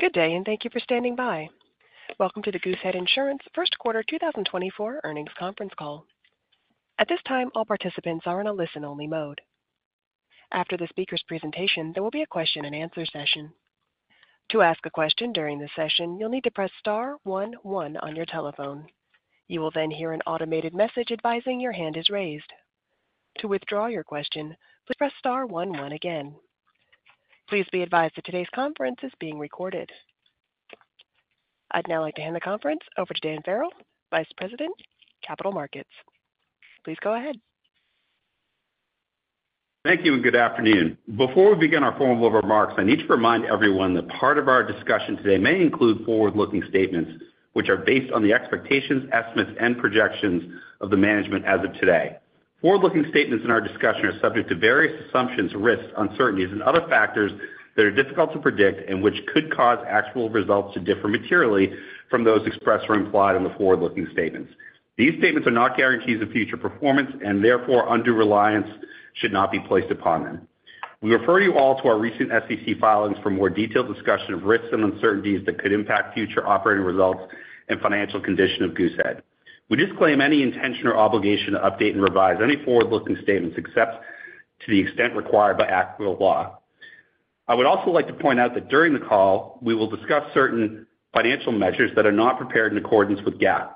Good day and thank you for standing by. Welcome to the Goosehead Insurance First Quarter 2024 Earnings Conference Call. At this time, all participants are in a listen-only mode. After the speaker's presentation, there will be a question-and-answer session. To ask a question during the session, you'll need to press star one one on your telephone. You will then hear an automated message advising your hand is raised. To withdraw your question, please press star one one again. Please be advised that today's conference is being recorded. I'd now like to hand the conference over to Dan Farrell, Vice President, Capital Markets. Please go ahead. Thank you and good afternoon. Before we begin our formal remarks, I need to remind everyone that part of our discussion today may include forward-looking statements, which are based on the expectations, estimates, and projections of the management as of today. Forward-looking statements in our discussion are subject to various assumptions, risks, uncertainties, and other factors that are difficult to predict and which could cause actual results to differ materially from those expressed or implied in the forward-looking statements. These statements are not guarantees of future performance and, therefore, undue reliance should not be placed upon them. We refer you all to our recent SEC filings for more detailed discussion of risks and uncertainties that could impact future operating results and financial condition of Goosehead. We disclaim any intention or obligation to update and revise any forward-looking statements except to the extent required by actual law. I would also like to point out that during the call, we will discuss certain financial measures that are not prepared in accordance with GAAP.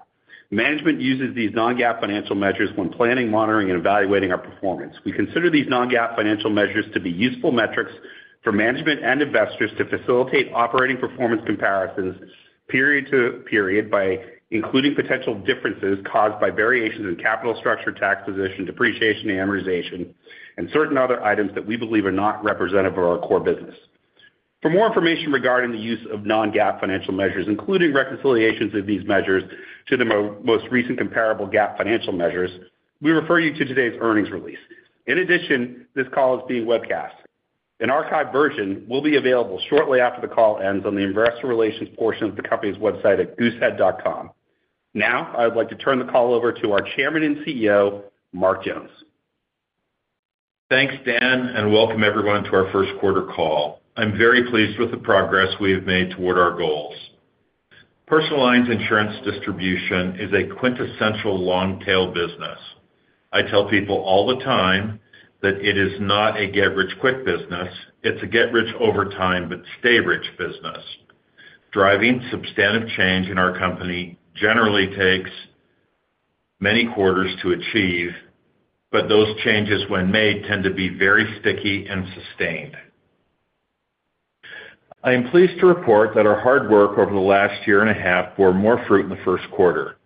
Management uses these non-GAAP financial measures when planning, monitoring, and evaluating our performance. We consider these non-GAAP financial measures to be useful metrics for management and investors to facilitate operating performance comparisons period to period by including potential differences caused by variations in capital structure, tax position, depreciation, and amortization, and certain other items that we believe are not representative of our core business. For more information regarding the use of non-GAAP financial measures, including reconciliations of these measures to the most recent comparable GAAP financial measures, we refer you to today's earnings release. In addition, this call is being webcast. An archived version will be available shortly after the call ends on the investor relations portion of the company's website at goosehead.com. Now, I would like to turn the call over to our Chairman and CEO, Mark Jones. Thanks, Dan, and welcome everyone to our first quarter call. I'm very pleased with the progress we've made toward our goals. Personal lines insurance distribution is a quintessential long-tail business. I tell people all the time that it is not a get-rich-quick business. It's a get-rich-over-time-but-stay-rich business. Driving substantive change in our company generally takes many quarters to achieve, but those changes, when made, tend to be very sticky and sustained. I am pleased to report that our hard work over the last year and a half bore more fruit in the first quarter.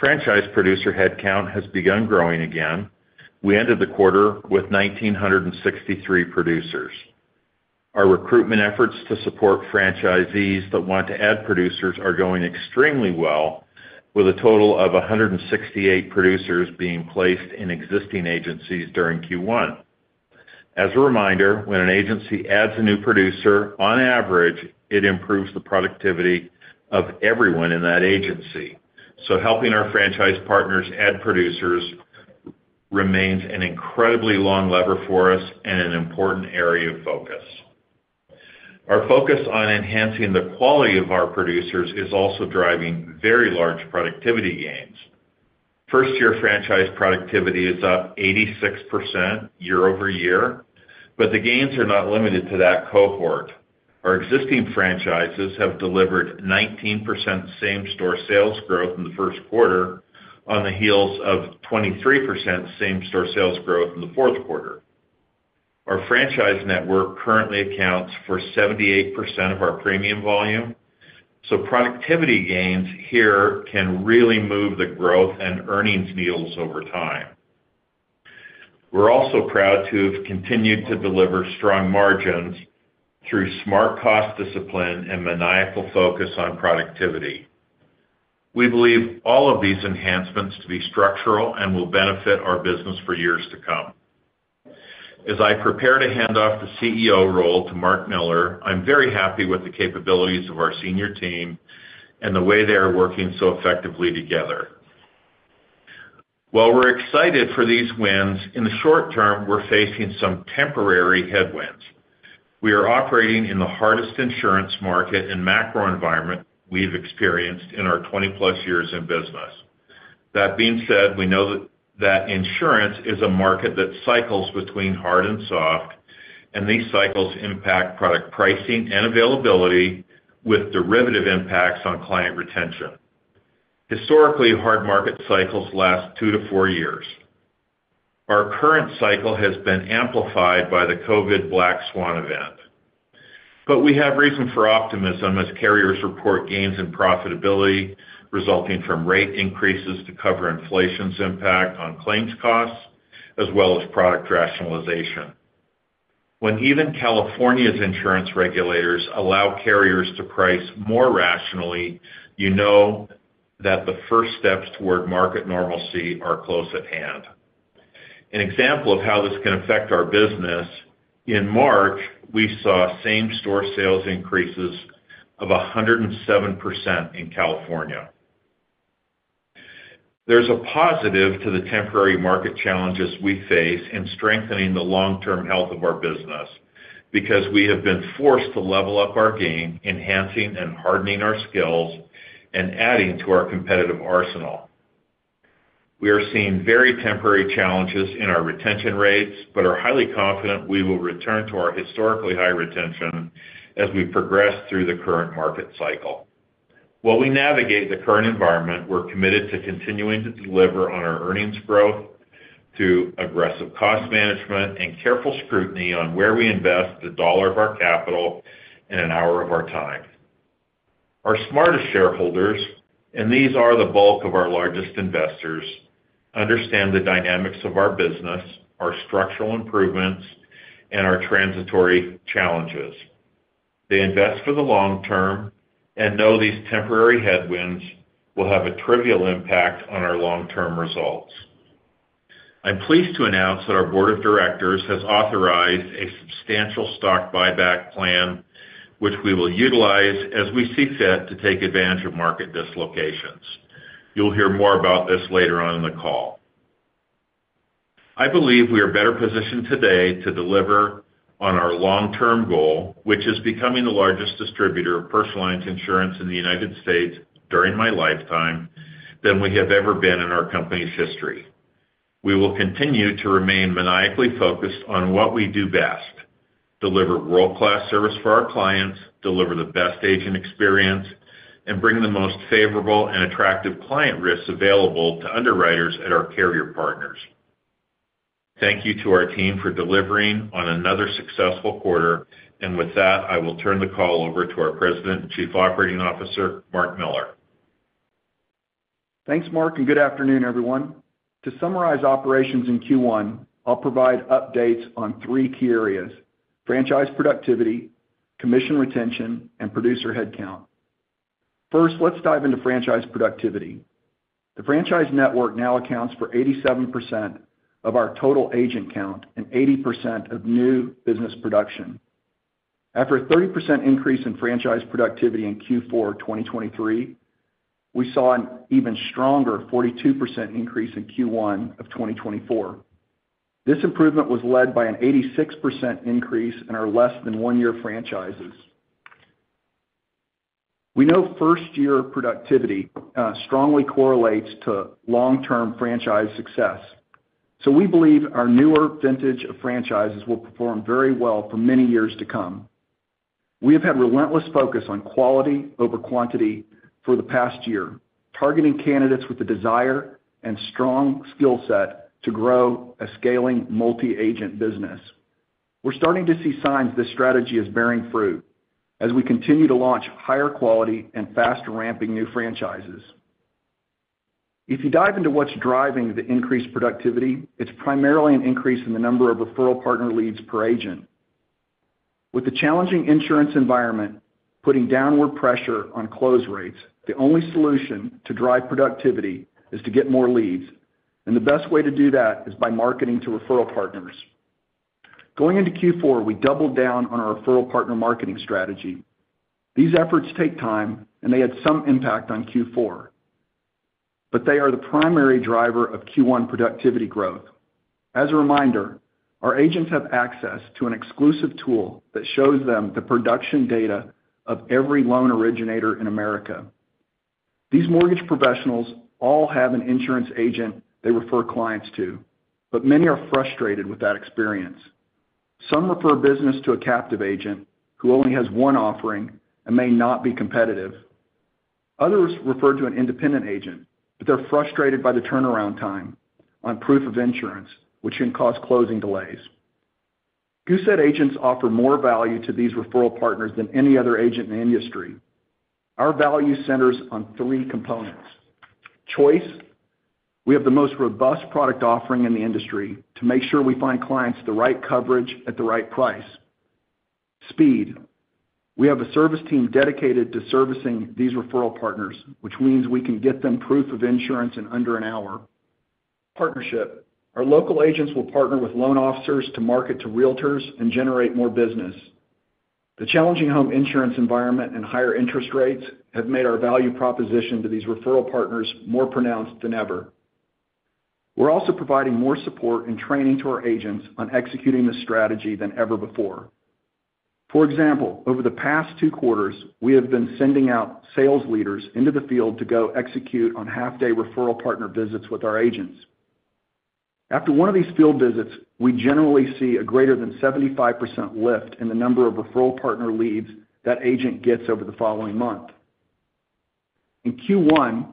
Franchise producer headcount has begun growing again. We ended the quarter with 1,963 producers. Our recruitment efforts to support franchisees that want to add producers are going extremely well, with a total of 168 producers being placed in existing agencies during Q1. As a reminder, when an agency adds a new producer, on average, it improves the productivity of everyone in that agency. So helping our franchise partners add producers remains an incredibly long lever for us and an important area of focus. Our focus on enhancing the quality of our producers is also driving very large productivity gains. First-year franchise productivity is up 86% year-over-year, but the gains are not limited to that cohort. Our existing franchises have delivered 19% same-store sales growth in the first quarter on the heels of 23% same-store sales growth in the fourth quarter. Our franchise network currently accounts for 78% of our premium volume, so productivity gains here can really move the growth and earnings needles over time. We're also proud to have continued to deliver strong margins through smart cost discipline and maniacal focus on productivity. We believe all of these enhancements to be structural and will benefit our business for years to come. As I prepare to hand off the CEO role to Mark Miller, I'm very happy with the capabilities of our senior team and the way they are working so effectively together. While we're excited for these wins, in the short term, we're facing some temporary headwinds. We are operating in the hardest insurance market and macro environment we've experienced in our 20+ years in business. That being said, we know that insurance is a market that cycles between hard and soft, and these cycles impact product pricing and availability with derivative impacts on client retention. Historically, hard market cycles last 2-4 years. Our current cycle has been amplified by the COVID Black Swan event, but we have reason for optimism as carriers report gains in profitability resulting from rate increases to cover inflation's impact on claims costs as well as product rationalization. When even California's insurance regulators allow carriers to price more rationally, you know that the first steps toward market normalcy are close at hand. An example of how this can affect our business: in March, we saw same-store sales increases of 107% in California. There's a positive to the temporary market challenges we face in strengthening the long-term health of our business because we have been forced to level up our game, enhancing and hardening our skills, and adding to our competitive arsenal. We are seeing very temporary challenges in our retention rates, but are highly confident we will return to our historically high retention as we progress through the current market cycle. While we navigate the current environment, we're committed to continuing to deliver on our earnings growth through aggressive cost management and careful scrutiny on where we invest the dollar of our capital and an hour of our time. Our smartest shareholders, and these are the bulk of our largest investors, understand the dynamics of our business, our structural improvements, and our transitory challenges. They invest for the long term and know these temporary headwinds will have a trivial impact on our long-term results. I'm pleased to announce that our board of directors has authorized a substantial stock buyback plan, which we will utilize as we see fit to take advantage of market dislocations. You'll hear more about this later on in the call. I believe we are better positioned today to deliver on our long-term goal, which is becoming the largest distributor of personal lines insurance in the United States during my lifetime, than we have ever been in our company's history. We will continue to remain maniacally focused on what we do best: deliver world-class service for our clients, deliver the best agent experience, and bring the most favorable and attractive client risks available to underwriters at our carrier partners. Thank you to our team for delivering on another successful quarter. And with that, I will turn the call over to our President and Chief Operating Officer, Mark Miller. Thanks, Mark, and good afternoon, everyone. To summarize operations in Q1, I'll provide updates on three key areas: franchise productivity, commission retention, and producer headcount. First, let's dive into franchise productivity. The franchise network now accounts for 87% of our total agent count and 80% of new business production. After a 30% increase in franchise productivity in Q4 2023, we saw an even stronger 42% increase in Q1 of 2024. This improvement was led by an 86% increase in our less-than-one-year franchises. We know first-year productivity strongly correlates to long-term franchise success, so we believe our newer vintage of franchises will perform very well for many years to come. We have had relentless focus on quality over quantity for the past year, targeting candidates with the desire and strong skill set to grow a scaling multi-agent business. We're starting to see signs this strategy is bearing fruit as we continue to launch higher quality and faster-ramping new franchises. If you dive into what's driving the increased productivity, it's primarily an increase in the number of referral partner leads per agent. With the challenging insurance environment putting downward pressure on close rates, the only solution to drive productivity is to get more leads, and the best way to do that is by marketing to referral partners. Going into Q4, we doubled down on our referral partner marketing strategy. These efforts take time, and they had some impact on Q4, but they are the primary driver of Q1 productivity growth. As a reminder, our agents have access to an exclusive tool that shows them the production data of every loan originator in America. These mortgage professionals all have an insurance agent they refer clients to, but many are frustrated with that experience. Some refer business to a captive agent who only has one offering and may not be competitive. Others refer to an independent agent, but they're frustrated by the turnaround time on proof of insurance, which can cause closing delays. Goosehead agents offer more value to these referral partners than any other agent in the industry. Our value centers on three components: choice - we have the most robust product offering in the industry to make sure we find clients the right coverage at the right price; speed - we have a service team dedicated to servicing these referral partners, which means we can get them proof of insurance in under an hour; partnership - our local agents will partner with loan officers to market to Realtors and generate more business. The challenging home insurance environment and higher interest rates have made our value proposition to these referral partners more pronounced than ever. We're also providing more support and training to our agents on executing this strategy than ever before. For example, over the past two quarters, we have been sending out sales leaders into the field to go execute on half-day referral partner visits with our agents. After one of these field visits, we generally see a greater than 75% lift in the number of referral partner leads that agent gets over the following month. In Q1,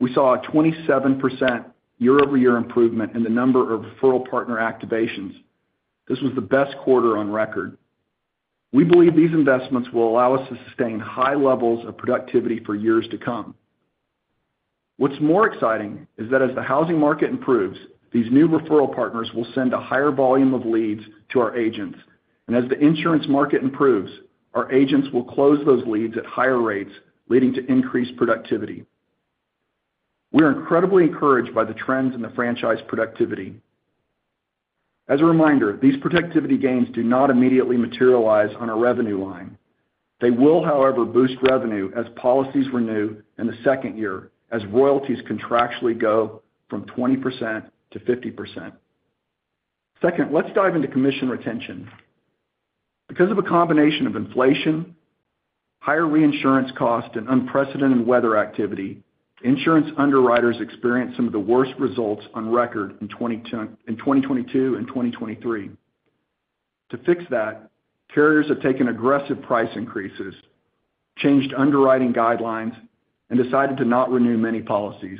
we saw a 27% year-over-year improvement in the number of referral partner activations. This was the best quarter on record. We believe these investments will allow us to sustain high levels of productivity for years to come. What's more exciting is that as the housing market improves, these new referral partners will send a higher volume of leads to our agents, and as the insurance market improves, our agents will close those leads at higher rates, leading to increased productivity. We are incredibly encouraged by the trends in the franchise productivity. As a reminder, these productivity gains do not immediately materialize on a revenue line. They will, however, boost revenue as policies renew in the second year, as royalties contractually go from 20%-50%. Second, let's dive into commission retention. Because of a combination of inflation, higher reinsurance cost, and unprecedented weather activity, insurance underwriters experienced some of the worst results on record in 2022 and 2023. To fix that, carriers have taken aggressive price increases, changed underwriting guidelines, and decided to not renew many policies.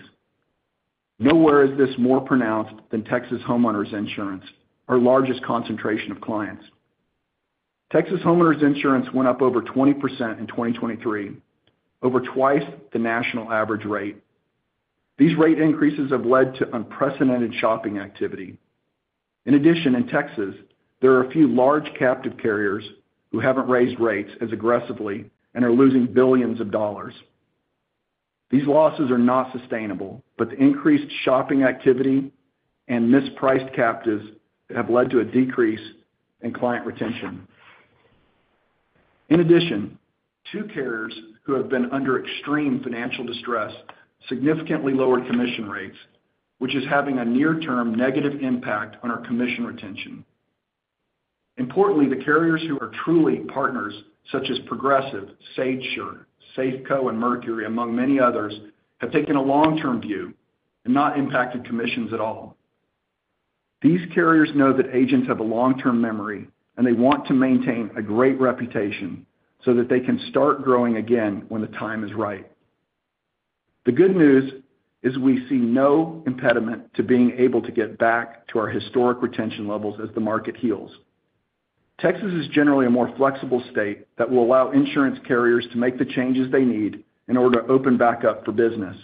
Nowhere is this more pronounced than Texas homeowners insurance, our largest concentration of clients. Texas homeowners insurance went up over 20% in 2023, over twice the national average rate. These rate increases have led to unprecedented shopping activity. In addition, in Texas, there are a few large captive carriers who haven't raised rates as aggressively and are losing $ billions. These losses are not sustainable, but the increased shopping activity and mispriced captives have led to a decrease in client retention. In addition, two carriers who have been under extreme financial distress significantly lowered commission rates, which is having a near-term negative impact on our commission retention. Importantly, the carriers who are truly partners, such as Progressive, SageSure, Safeco, and Mercury, among many others, have taken a long-term view and not impacted commissions at all. These carriers know that agents have a long-term memory, and they want to maintain a great reputation so that they can start growing again when the time is right. The good news is we see no impediment to being able to get back to our historic retention levels as the market heals. Texas is generally a more flexible state that will allow insurance carriers to make the changes they need in order to open back up for business.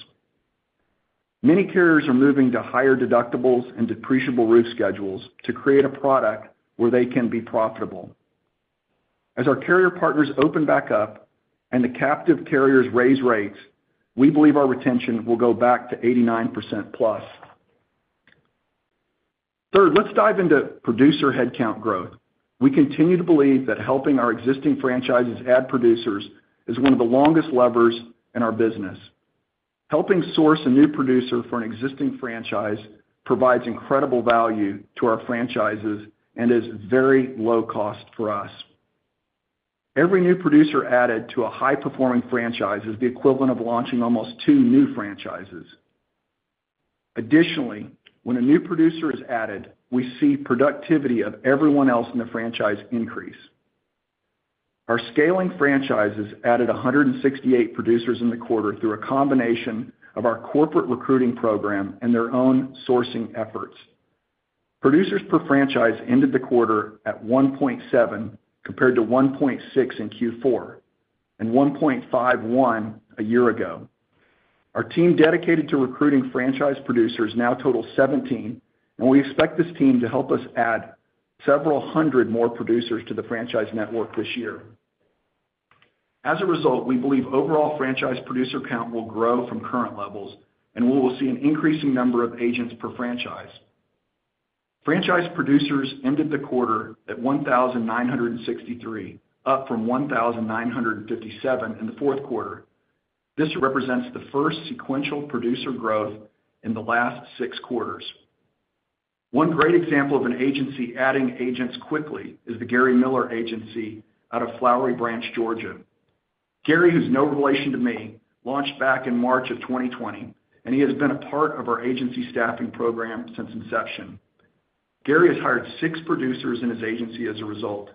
Many carriers are moving to higher deductibles and depreciable roof schedules to create a product where they can be profitable. As our carrier partners open back up and the captive carriers raise rates, we believe our retention will go back to 89%+. Third, let's dive into producer headcount growth. We continue to believe that helping our existing franchises add producers is one of the longest levers in our business. Helping source a new producer for an existing franchise provides incredible value to our franchises and is very low-cost for us. Every new producer added to a high-performing franchise is the equivalent of launching almost two new franchises. Additionally, when a new producer is added, we see productivity of everyone else in the franchise increase. Our scaling franchises added 168 producers in the quarter through a combination of our corporate recruiting program and their own sourcing efforts. Producers per franchise ended the quarter at 1.7 compared to 1.6 in Q4 and 1.51 a year ago. Our team dedicated to recruiting franchise producers now totals 17, and we expect this team to help us add several hundred more producers to the franchise network this year. As a result, we believe overall franchise producer count will grow from current levels, and we will see an increasing number of agents per franchise. Franchise producers ended the quarter at 1,963, up from 1,957 in the fourth quarter. This represents the first sequential producer growth in the last six quarters. One great example of an agency adding agents quickly is the Gary Miller Agency out of Flowery Branch, Georgia. Gary, who's no relation to me, launched back in March of 2020, and he has been a part of our agency staffing program since inception. Gary has hired six producers in his agency as a result.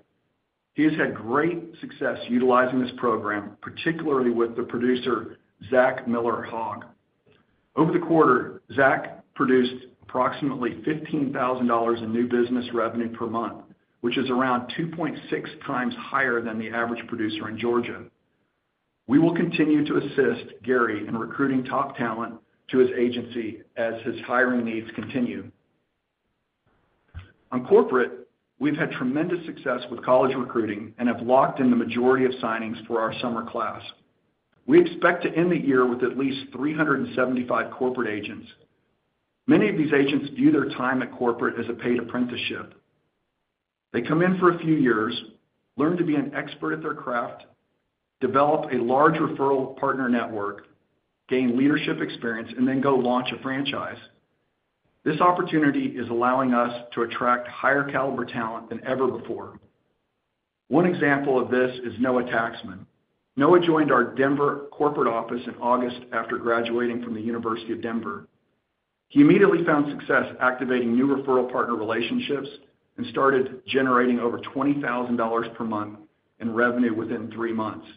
He has had great success utilizing this program, particularly with the producer Zach Miller-Hogg. Over the quarter, Zach produced approximately $15,000 in new business revenue per month, which is around 2.6 times higher than the average producer in Georgia. We will continue to assist Gary in recruiting top talent to his agency as his hiring needs continue. On corporate, we've had tremendous success with college recruiting and have locked in the majority of signings for our summer class. We expect to end the year with at least 375 corporate agents. Many of these agents view their time at corporate as a paid apprenticeship. They come in for a few years, learn to be an expert at their craft, develop a large referral partner network, gain leadership experience, and then go launch a franchise. This opportunity is allowing us to attract higher-caliber talent than ever before. One example of this is Noah Taxman. Noah joined our Denver corporate office in August after graduating from the University of Denver. He immediately found success activating new referral partner relationships and started generating over $20,000 per month in revenue within three months.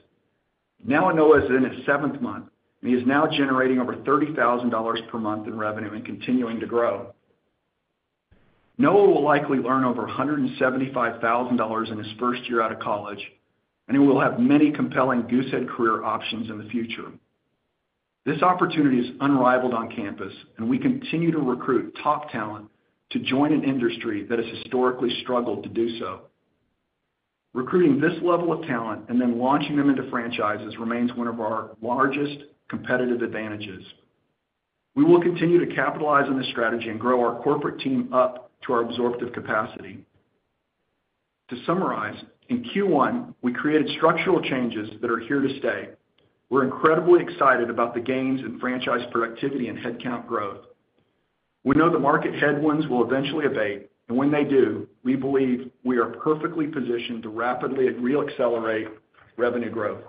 Now, Noah is in his seventh month, and he is now generating over $30,000 per month in revenue and continuing to grow. Noah will likely earn over $175,000 in his first year out of college, and he will have many compelling Goosehead career options in the future. This opportunity is unrivaled on campus, and we continue to recruit top talent to join an industry that has historically struggled to do so. Recruiting this level of talent and then launching them into franchises remains one of our largest competitive advantages. We will continue to capitalize on this strategy and grow our corporate team up to our absorptive capacity. To summarize, in Q1, we created structural changes that are here to stay. We're incredibly excited about the gains in franchise productivity and headcount growth. We know the market headwinds will eventually abate, and when they do, we believe we are perfectly positioned to rapidly reaccelerate revenue growth.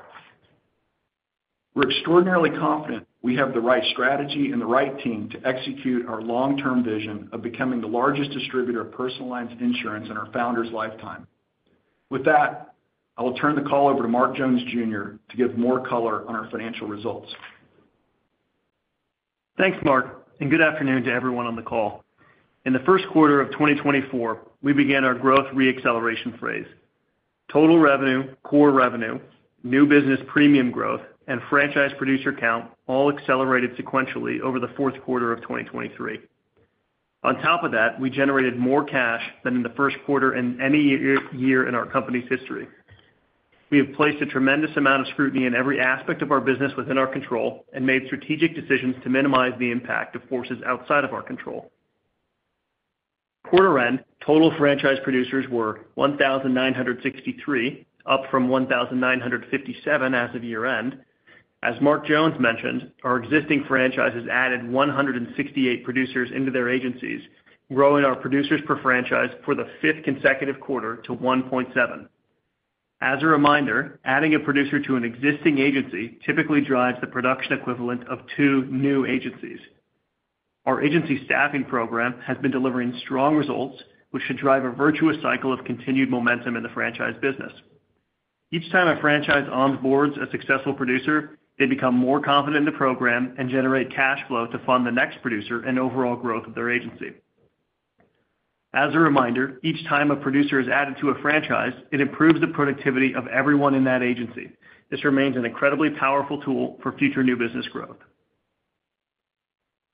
We're extraordinarily confident we have the right strategy and the right team to execute our long-term vision of becoming the largest distributor of personal lines insurance in our founder's lifetime. With that, I will turn the call over to Mark Jones, Jr., to give more color on our financial results. Thanks, Mark, and good afternoon to everyone on the call. In the first quarter of 2024, we began our growth reacceleration phase. Total revenue, core revenue, new business premium growth, and franchise producer count all accelerated sequentially over the fourth quarter of 2023. On top of that, we generated more cash than in the first quarter and any year in our company's history. We have placed a tremendous amount of scrutiny in every aspect of our business within our control and made strategic decisions to minimize the impact of forces outside of our control. Quarter-end, total franchise producers were 1,963, up from 1,957 as of year-end. As Mark Jones mentioned, our existing franchises added 168 producers into their agencies, growing our producers per franchise for the fifth consecutive quarter to 1.7. As a reminder, adding a producer to an existing agency typically drives the production equivalent of two new agencies. Our agency staffing program has been delivering strong results, which should drive a virtuous cycle of continued momentum in the franchise business. Each time a franchise onboards a successful producer, they become more confident in the program and generate cash flow to fund the next producer and overall growth of their agency. As a reminder, each time a producer is added to a franchise, it improves the productivity of everyone in that agency. This remains an incredibly powerful tool for future new business growth.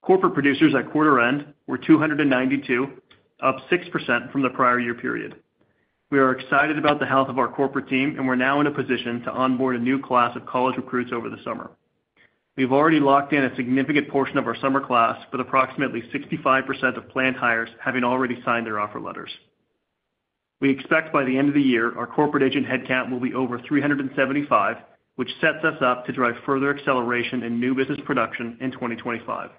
Corporate producers at quarter-end were 292, up 6% from the prior year period. We are excited about the health of our corporate team, and we're now in a position to onboard a new class of college recruits over the summer. We've already locked in a significant portion of our summer class with approximately 65% of planned hires having already signed their offer letters. We expect by the end of the year, our corporate agent headcount will be over 375, which sets us up to drive further acceleration in new business production in 2025.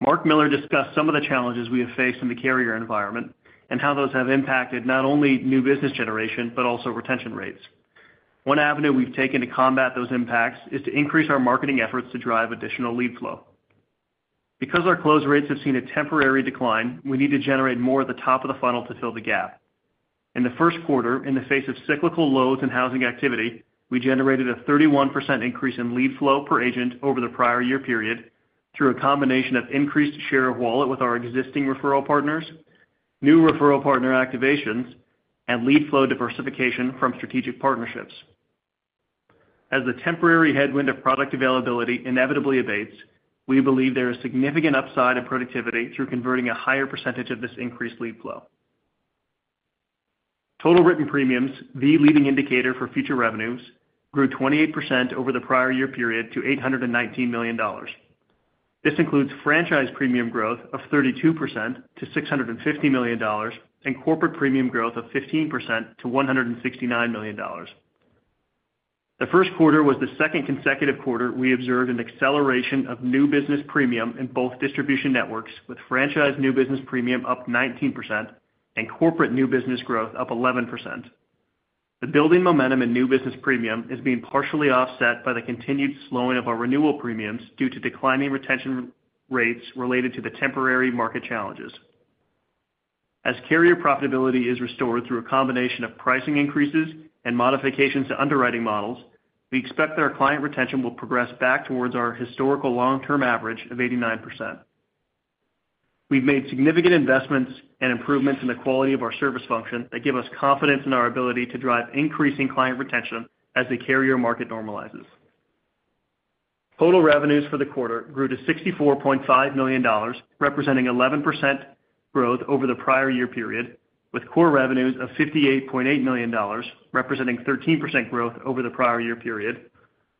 Mark Miller discussed some of the challenges we have faced in the carrier environment and how those have impacted not only new business generation but also retention rates. One avenue we've taken to combat those impacts is to increase our marketing efforts to drive additional lead flow. Because our close rates have seen a temporary decline, we need to generate more at the top of the funnel to fill the gap. In the first quarter, in the face of cyclical lows in housing activity, we generated a 31% increase in lead flow per agent over the prior year period through a combination of increased share of wallet with our existing referral partners, new referral partner activations, and lead flow diversification from strategic partnerships. As the temporary headwind of product availability inevitably abates, we believe there is significant upside in productivity through converting a higher percentage of this increased lead flow. Total written premiums, the leading indicator for future revenues, grew 28% over the prior year period to $819 million. This includes franchise premium growth of 32% to $650 million and corporate premium growth of 15% to $169 million. The first quarter was the second consecutive quarter we observed an acceleration of new business premium in both distribution networks, with franchise new business premium up 19% and corporate new business growth up 11%. The building momentum in new business premium is being partially offset by the continued slowing of our renewal premiums due to declining retention rates related to the temporary market challenges. As carrier profitability is restored through a combination of pricing increases and modifications to underwriting models, we expect that our client retention will progress back towards our historical long-term average of 89%. We've made significant investments and improvements in the quality of our service function that give us confidence in our ability to drive increasing client retention as the carrier market normalizes. Total revenues for the quarter grew to $64.5 million, representing 11% growth over the prior year period, with core revenues of $58.8 million, representing 13% growth over the prior year period,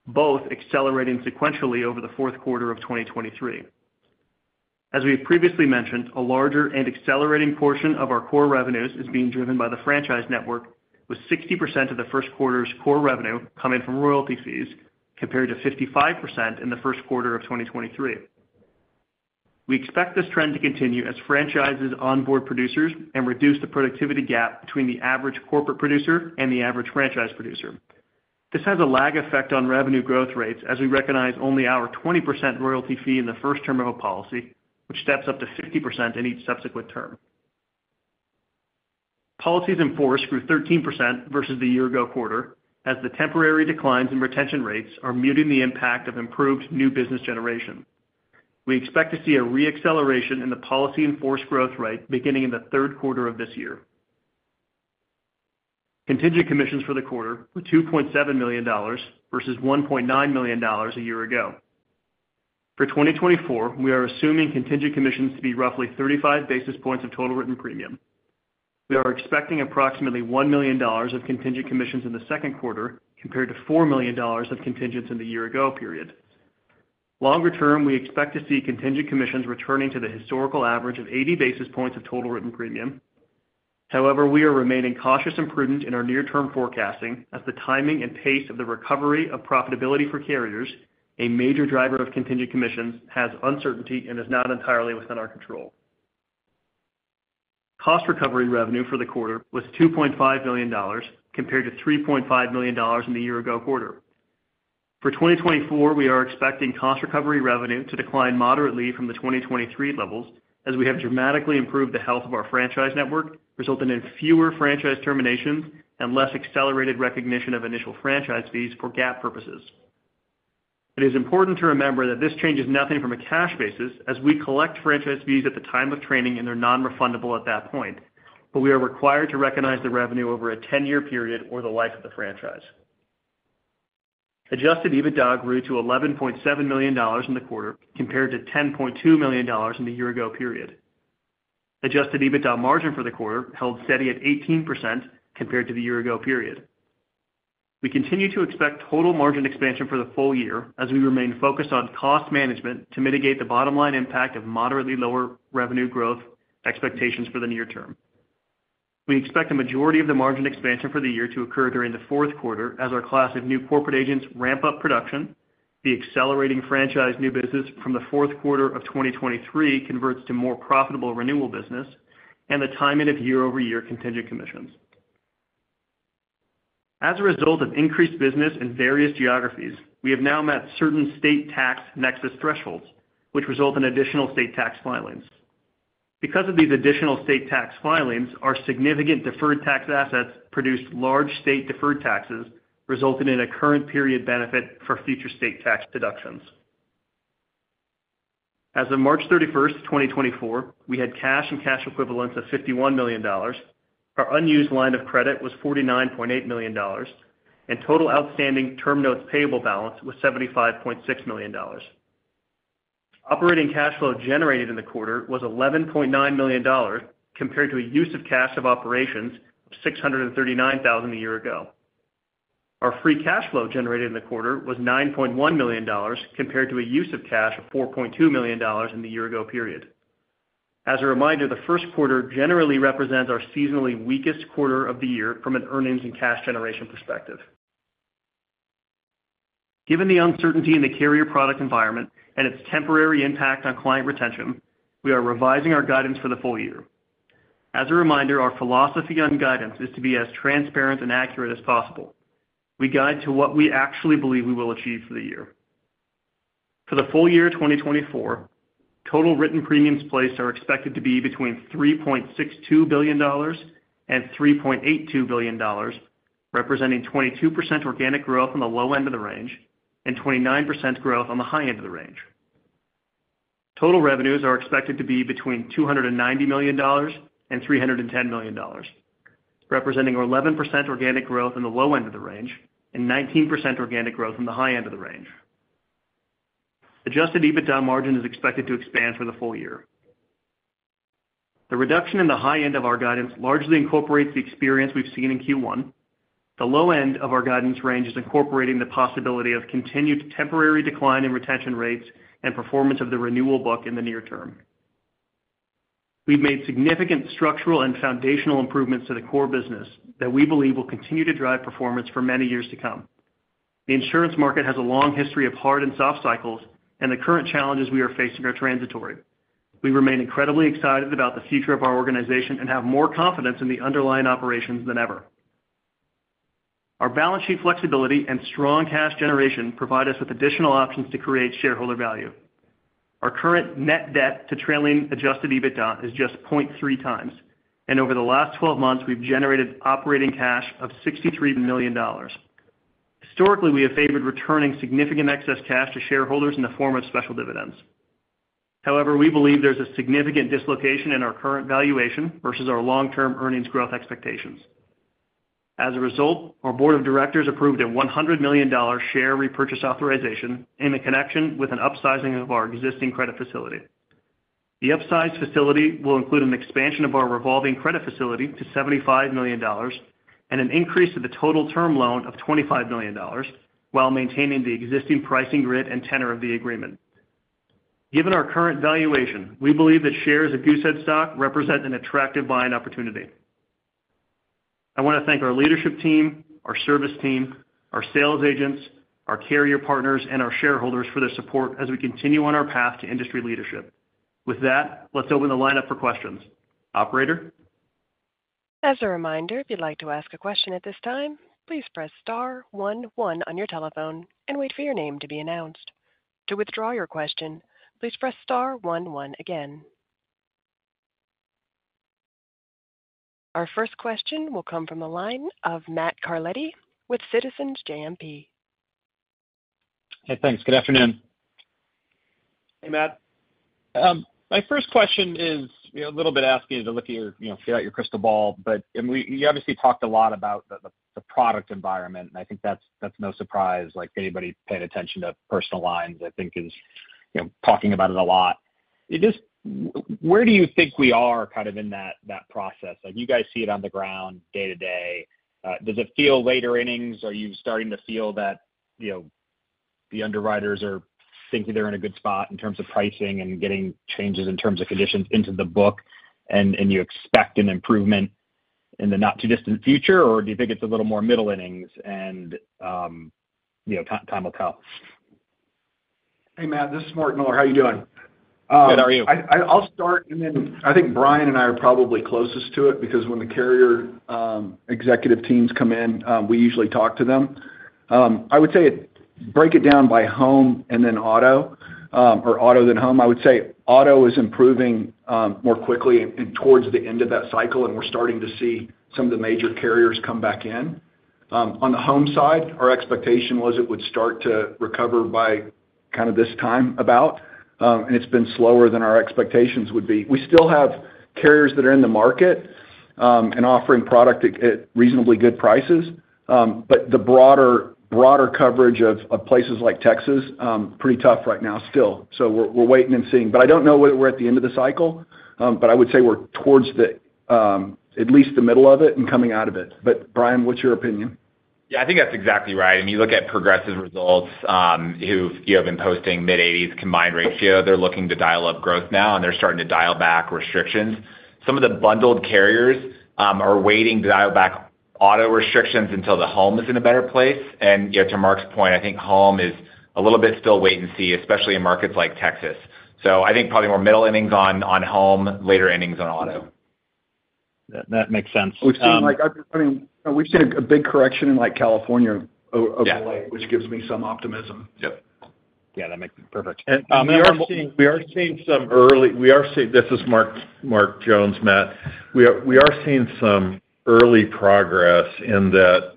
both accelerating sequentially over the fourth quarter of 2023. As we have previously mentioned, a larger and accelerating portion of our core revenues is being driven by the franchise network, with 60% of the first quarter's core revenue coming from royalty fees compared to 55% in the first quarter of 2023. We expect this trend to continue as franchises onboard producers and reduce the productivity gap between the average corporate producer and the average franchise producer. This has a lag effect on revenue growth rates as we recognize only our 20% royalty fee in the first term of a policy, which steps up to 50% in each subsequent term. Policies in force grew 13% versus the year-ago quarter as the temporary declines in retention rates are muting the impact of improved new business generation. We expect to see a reacceleration in the policies in force growth rate beginning in the third quarter of this year. Contingent commissions for the quarter were $2.7 million versus $1.9 million a year ago. For 2024, we are assuming contingent commissions to be roughly 35 basis points of total written premium. We are expecting approximately $1 million of contingent commissions in the second quarter compared to $4 million of contingents in the year-ago period. Longer term, we expect to see contingent commissions returning to the historical average of 80 basis points of total written premium. However, we are remaining cautious and prudent in our near-term forecasting as the timing and pace of the recovery of profitability for carriers, a major driver of contingent commissions, has uncertainty and is not entirely within our control. Cost recovery revenue for the quarter was $2.5 million compared to $3.5 million in the year-ago quarter. For 2024, we are expecting cost recovery revenue to decline moderately from the 2023 levels as we have dramatically improved the health of our franchise network, resulting in fewer franchise terminations and less accelerated recognition of initial franchise fees for GAAP purposes. It is important to remember that this changes nothing from a cash basis as we collect franchise fees at the time of training and they're non-refundable at that point, but we are required to recognize the revenue over a 10-year period or the life of the franchise. Adjusted EBITDA grew to $11.7 million in the quarter compared to $10.2 million in the year-ago period. Adjusted EBITDA margin for the quarter held steady at 18% compared to the year-ago period. We continue to expect total margin expansion for the full year as we remain focused on cost management to mitigate the bottom-line impact of moderately lower revenue growth expectations for the near term. We expect a majority of the margin expansion for the year to occur during the fourth quarter as our class of new corporate agents ramp up production, the accelerating franchise new business from the fourth quarter of 2023 converts to more profitable renewal business, and the timing of year-over-year contingent commissions. As a result of increased business in various geographies, we have now met certain state tax nexus thresholds, which result in additional state tax filings. Because of these additional state tax filings, our significant deferred tax assets produced large state deferred taxes, resulting in a current period benefit for future state tax deductions. As of March 31st, 2024, we had cash and cash equivalents of $51 million. Our unused line of credit was $49.8 million, and total outstanding term notes payable balance was $75.6 million. Operating cash flow generated in the quarter was $11.9 million compared to a use of cash of operations of $639,000 a year ago. Our free cash flow generated in the quarter was $9.1 million compared to a use of cash of $4.2 million in the year-ago period. As a reminder, the first quarter generally represents our seasonally weakest quarter of the year from an earnings and cash generation perspective. Given the uncertainty in the carrier product environment and its temporary impact on client retention, we are revising our guidance for the full year. As a reminder, our philosophy on guidance is to be as transparent and accurate as possible. We guide to what we actually believe we will achieve for the year. For the full year 2024, total written premiums placed are expected to be between $3.62 billion and $3.82 billion, representing 22% organic growth on the low end of the range and 29% organic growth on the high end of the range. Total revenues are expected to be between $290 million and $310 million, representing 11% organic growth on the low end of the range and 19% organic growth on the high end of the range. Adjusted EBITDA margin is expected to expand for the full year. The reduction in the high end of our guidance largely incorporates the experience we've seen in Q1. The low end of our guidance range is incorporating the possibility of continued temporary decline in retention rates and performance of the renewal book in the near term. We've made significant structural and foundational improvements to the core business that we believe will continue to drive performance for many years to come. The insurance market has a long history of hard and soft cycles, and the current challenges we are facing are transitory. We remain incredibly excited about the future of our organization and have more confidence in the underlying operations than ever. Our balance sheet flexibility and strong cash generation provide us with additional options to create shareholder value. Our current net debt to trailing adjusted EBITDA is just 0.3x, and over the last 12 months, we've generated operating cash of $63 million. Historically, we have favored returning significant excess cash to shareholders in the form of special dividends. However, we believe there's a significant dislocation in our current valuation versus our long-term earnings growth expectations. As a result, our board of directors approved a $100 million share repurchase authorization in connection with an upsizing of our existing credit facility. The upsized facility will include an expansion of our revolving credit facility to $75 million and an increase of the total term loan of $25 million while maintaining the existing pricing grid and tenor of the agreement. Given our current valuation, we believe that shares of Goosehead stock represent an attractive buying opportunity. I want to thank our leadership team, our service team, our sales agents, our carrier partners, and our shareholders for their support as we continue on our path to industry leadership. With that, let's open the lineup for questions. Operator? As a reminder, if you'd like to ask a question at this time, please press star one one on your telephone and wait for your name to be announced. To withdraw your question, please press star one one again. Our first question will come from the line of Matt Carletti with Citizens JMP. Hey, thanks. Good afternoon. Hey, Matt. My first question is a little bit asking you to look at your feel like your crystal ball, but you obviously talked a lot about the product environment, and I think that's no surprise. Anybody paying attention to personal lines, I think, is talking about it a lot. Where do you think we are kind of in that process? You guys see it on the ground day to day. Does it feel later innings? Are you starting to feel that the underwriters are thinking they're in a good spot in terms of pricing and getting changes in terms of conditions into the book, and you expect an improvement in the not-too-distant future, or do you think it's a little more middle innings and time will tell? Hey, Matt. This is Mark Miller. How are you doing? Good. How are you? I'll start, and then I think Brian and I are probably closest to it because when the carrier executive teams come in, we usually talk to them. I would say break it down by home and then auto or auto then home. I would say auto is improving more quickly towards the end of that cycle, and we're starting to see some of the major carriers come back in. On the home side, our expectation was it would start to recover by kind of this time about, and it's been slower than our expectations would be. We still have carriers that are in the market and offering product at reasonably good prices, but the broader coverage of places like Texas is pretty tough right now still. So we're waiting and seeing. But I don't know whether we're at the end of the cycle, but I would say we're towards at least the middle of it and coming out of it. But Brian, what's your opinion? Yeah, I think that's exactly right. I mean, you look at Progressive results, who have been posting mid-80s combined ratio. They're looking to dial up growth now, and they're starting to dial back restrictions. Some of the bundled carriers are waiting to dial back auto restrictions until the home is in a better place. And to Mark's point, I think home is a little bit still wait and see, especially in markets like Texas. So I think probably more middle innings on home, later innings on auto. That makes sense. We've seen, I mean, we've seen a big correction in California over late, which gives me some optimism. Yep. Yeah, that makes perfect. This is Mark Jones, Matt. We are seeing some early progress in that,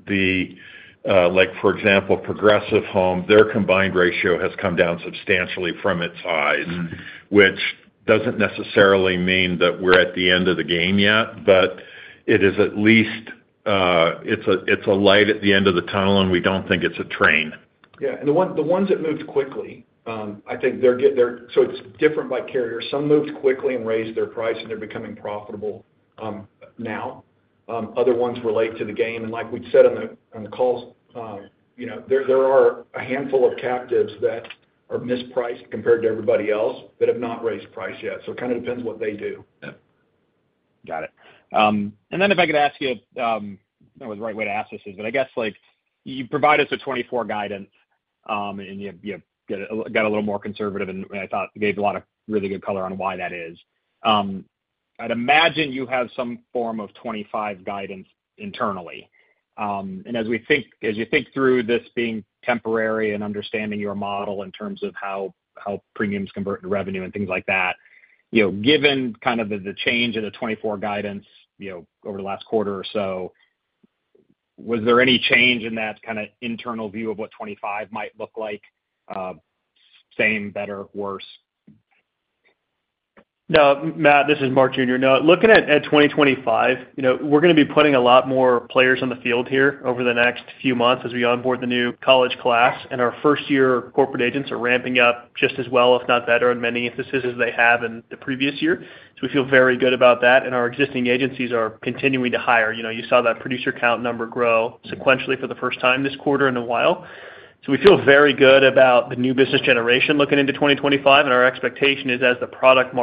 for example, Progressive Home, their combined ratio has come down substantially from its highs, which doesn't necessarily mean that we're at the end of the game yet, but it is at least a light at the end of the tunnel, and we don't think it's a train. Yeah. And the ones that moved quickly, I think they're, so it's different by carrier. Some moved quickly and raised their price, and they're becoming profitable now. Other ones relate to the game. And like we'd said on the calls, there are a handful of captives that are mispriced compared to everybody else that have not raised price yet. So it kind of depends what they do. Yep. Got it. And then if I could ask you if that was the right way to ask this is, but I guess you provide us with 2024 guidance, and you got a little more conservative, and I thought you gave a lot of really good color on why that is. I'd imagine you have some form of 2025 guidance internally. And as you think through this being temporary and understanding your model in terms of how premiums convert into revenue and things like that, given kind of the change in the 2024 guidance over the last quarter or so, was there any change in that kind of internal view of what 2025 might look like? Same, better, worse? No, Matt. This is Mark Jr. No. Looking at 2025, we're going to be putting a lot more players on the field here over the next few months as we onboard the new college class. And our first-year corporate agents are ramping up just as well, if not better, on many instances as they have in the previous year. So we feel very good about that. And our existing agencies are continuing to hire. You saw that producer count number grow sequentially for the first time this quarter in a while. So we feel very good about the new business generation looking into 2025. And our expectation is, as the product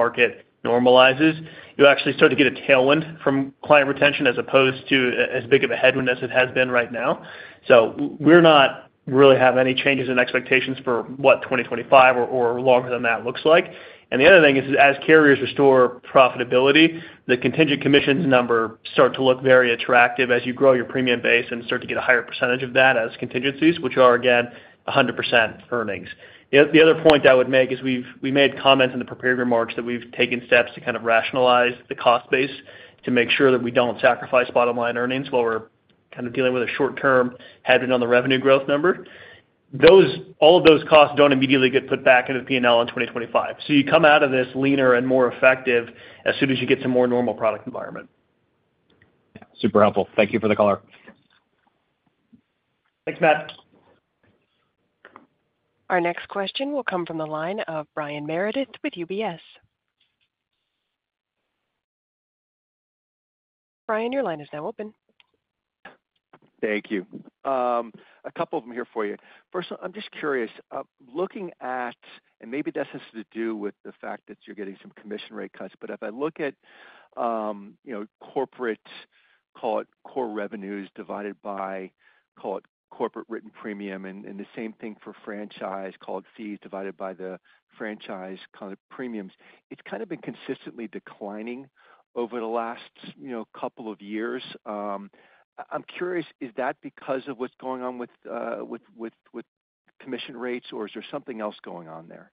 market normalizes, you actually start to get a tailwind from client retention as opposed to as big of a headwind as it has been right now. So we're not really having any changes in expectations for what 2025 or longer than that looks like. And the other thing is, as carriers restore profitability, the contingent commissions number starts to look very attractive as you grow your premium base and start to get a higher percentage of that as contingencies, which are, again, 100% earnings. The other point I would make is we made comments in the prepared remarks that we've taken steps to kind of rationalize the cost base to make sure that we don't sacrifice bottom-line earnings while we're kind of dealing with a short-term headwind on the revenue growth number. All of those costs don't immediately get put back into the P&L in 2025. So you come out of this leaner and more effective as soon as you get some more normal product environment. Yeah. Super helpful. Thank you for the caller. Thanks, Matt. Our next question will come from the line of Brian Meredith with UBS. Brian, your line is now open. Thank you. A couple of them here for you. First of all, I'm just curious. Looking at and maybe this has to do with the fact that you're getting some commission rate cuts, but if I look at corporate call it core revenues divided by call it corporate written premium, and the same thing for franchise call it fees divided by the franchise kind of premiums, it's kind of been consistently declining over the last couple of years. I'm curious, is that because of what's going on with commission rates, or is there something else going on there?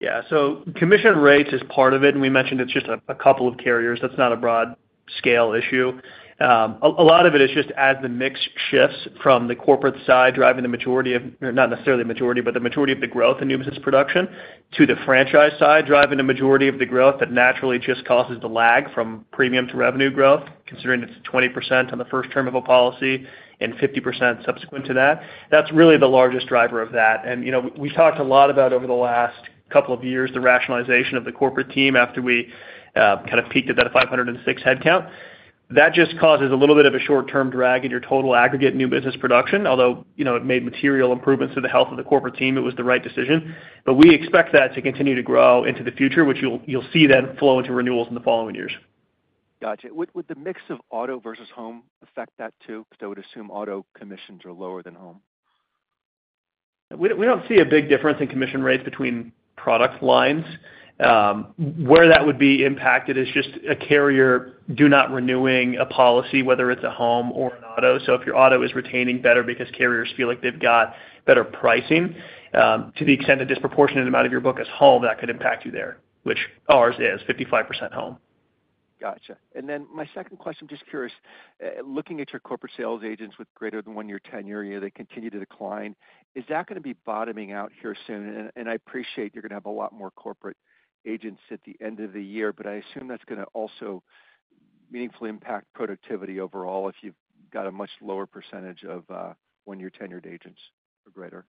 Yeah. So commission rates is part of it, and we mentioned it's just a couple of carriers. That's not a broad-scale issue. A lot of it is just as the mix shifts from the corporate side driving the majority of not necessarily the majority, but the majority of the growth in new business production to the franchise side driving the majority of the growth that naturally just causes the lag from premium to revenue growth, considering it's 20% on the first term of a policy and 50% subsequent to that. That's really the largest driver of that. And we've talked a lot about over the last couple of years, the rationalization of the corporate team after we kind of peaked at that 506 headcount. That just causes a little bit of a short-term drag in your total aggregate new business production. Although it made material improvements to the health of the corporate team, it was the right decision. But we expect that to continue to grow into the future, which you'll see then flow into renewals in the following years. Gotcha. Would the mix of auto versus home affect that too? Because I would assume auto commissions are lower than home. We don't see a big difference in commission rates between product lines. Where that would be impacted is just a carrier do not renewing a policy, whether it's a home or an auto. So if your auto is retaining better because carriers feel like they've got better pricing, to the extent of disproportionate amount of your book as home, that could impact you there, which ours is 55% home. Gotcha. And then my second question, just curious, looking at your corporate sales agents with greater than one-year tenure, they continue to decline. Is that going to be bottoming out here soon? And I appreciate you're going to have a lot more corporate agents at the end of the year, but I assume that's going to also meaningfully impact productivity overall if you've got a much lower percentage of one-year tenured agents or greater.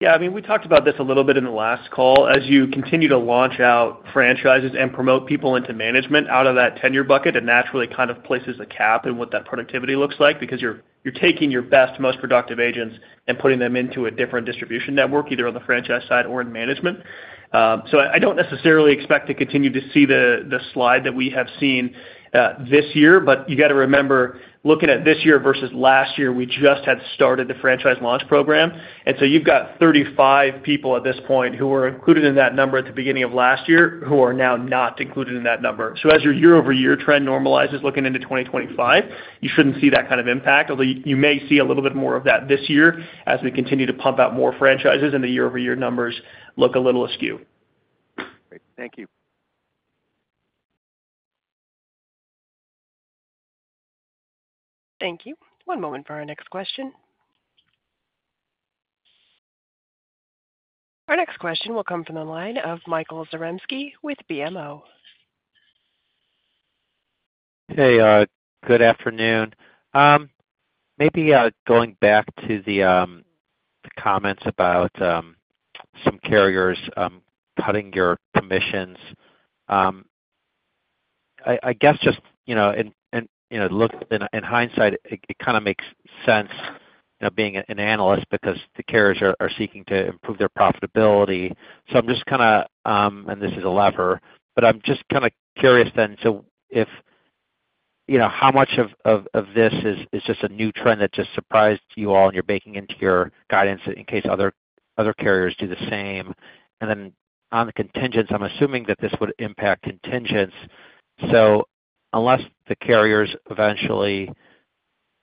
Yeah. I mean, we talked about this a little bit in the last call. As you continue to launch out franchises and promote people into management out of that tenure bucket, it naturally kind of places a cap in what that productivity looks like because you're taking your best, most productive agents and putting them into a different distribution network, either on the franchise side or in management. So I don't necessarily expect to continue to see the slide that we have seen this year, but you got to remember, looking at this year versus last year, we just had started the franchise launch program. And so you've got 35 people at this point who were included in that number at the beginning of last year who are now not included in that number. As your year-over-year trend normalizes looking into 2025, you shouldn't see that kind of impact, although you may see a little bit more of that this year as we continue to pump out more franchises and the year-over-year numbers look a little askew. Great. Thank you. Thank you. One moment for our next question. Our next question will come from the line of Michael Zaremski with BMO. Hey. Good afternoon. Maybe going back to the comments about some carriers cutting your commissions. I guess just in hindsight, it kind of makes sense being an analyst because the carriers are seeking to improve their profitability. So I'm just kind of and this is a lever, but I'm just kind of curious then. So how much of this is just a new trend that just surprised you all, and you're baking into your guidance in case other carriers do the same? And then on the contingents, I'm assuming that this would impact contingents. So unless the carriers eventually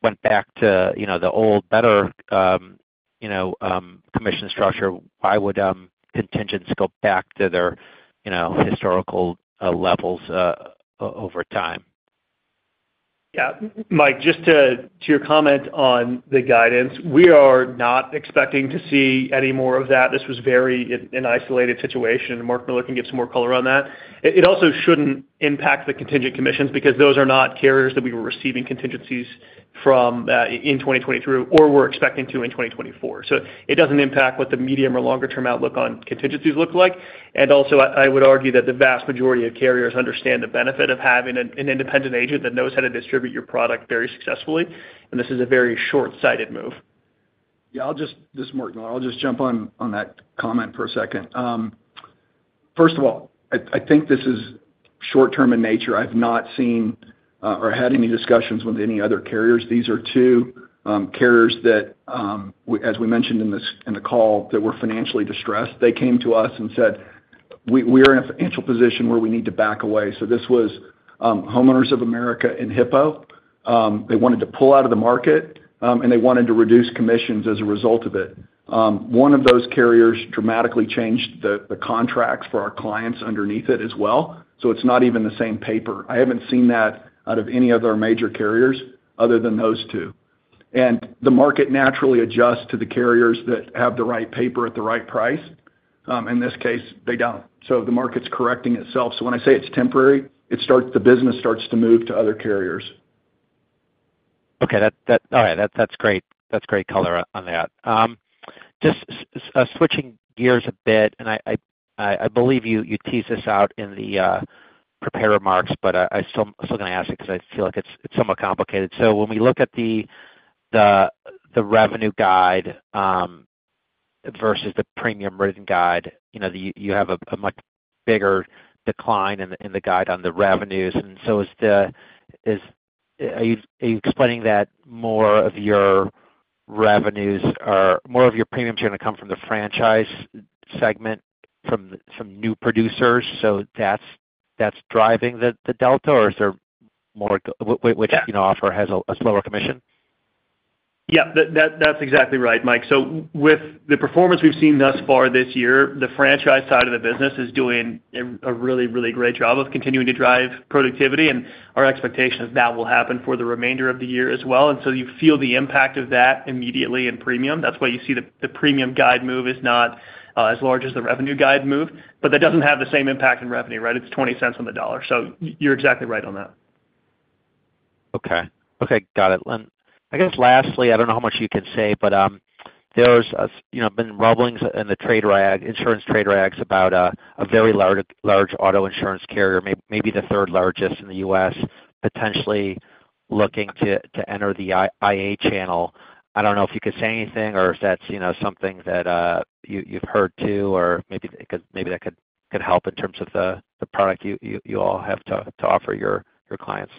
went back to the old, better commission structure, why would contingents go back to their historical levels over time? Yeah. Mike, just to your comment on the guidance, we are not expecting to see any more of that. This was a very isolated situation. Mark Miller can give some more color on that. It also shouldn't impact the contingent commissions because those are not carriers that we were receiving contingencies from in 2023 or were expecting to in 2024. So it doesn't impact what the medium or longer-term outlook on contingencies look like. And also, I would argue that the vast majority of carriers understand the benefit of having an independent agent that knows how to distribute your product very successfully. And this is a very short-sighted move. Yeah. This is Mark Miller. I'll just jump on that comment for a second. First of all, I think this is short-term in nature. I've not seen or had any discussions with any other carriers. These are two carriers that, as we mentioned in the call, that were financially distressed. They came to us and said, "We're in a financial position where we need to back away." So this was Homeowners of America and Hippo. They wanted to pull out of the market, and they wanted to reduce commissions as a result of it. One of those carriers dramatically changed the contracts for our clients underneath it as well. So it's not even the same paper. I haven't seen that out of any of our major carriers other than those two. And the market naturally adjusts to the carriers that have the right paper at the right price. In this case, they don't. So the market's correcting itself. So when I say it's temporary, the business starts to move to other carriers. Okay. All right. That's great. That's great color on that. Just switching gears a bit, and I believe you teased this out in the prepared remarks, but I'm still going to ask it because I feel like it's somewhat complicated. So when we look at the revenue guide versus the premium written guide, you have a much bigger decline in the guide on the revenues. And so are you explaining that more of your revenues are more of your premiums are going to come from the franchise segment, from new producers? So that's driving the delta, or is there more which offer has a lower commission? Yeah. That's exactly right, Mike. So with the performance we've seen thus far this year, the franchise side of the business is doing a really, really great job of continuing to drive productivity. And our expectation is that will happen for the remainder of the year as well. And so you feel the impact of that immediately in premium. That's why you see the premium guide move is not as large as the revenue guide move. But that doesn't have the same impact in revenue, right? It's $0.20 on the dollar. So you're exactly right on that. Okay. Okay. Got it. And I guess lastly, I don't know how much you can say, but there's been rumblings in the insurance trade rags about a very large auto insurance carrier, maybe the third largest in the U.S., potentially looking to enter the IA channel. I don't know if you could say anything, or if that's something that you've heard too, or maybe that could help in terms of the product you all have to offer your clients.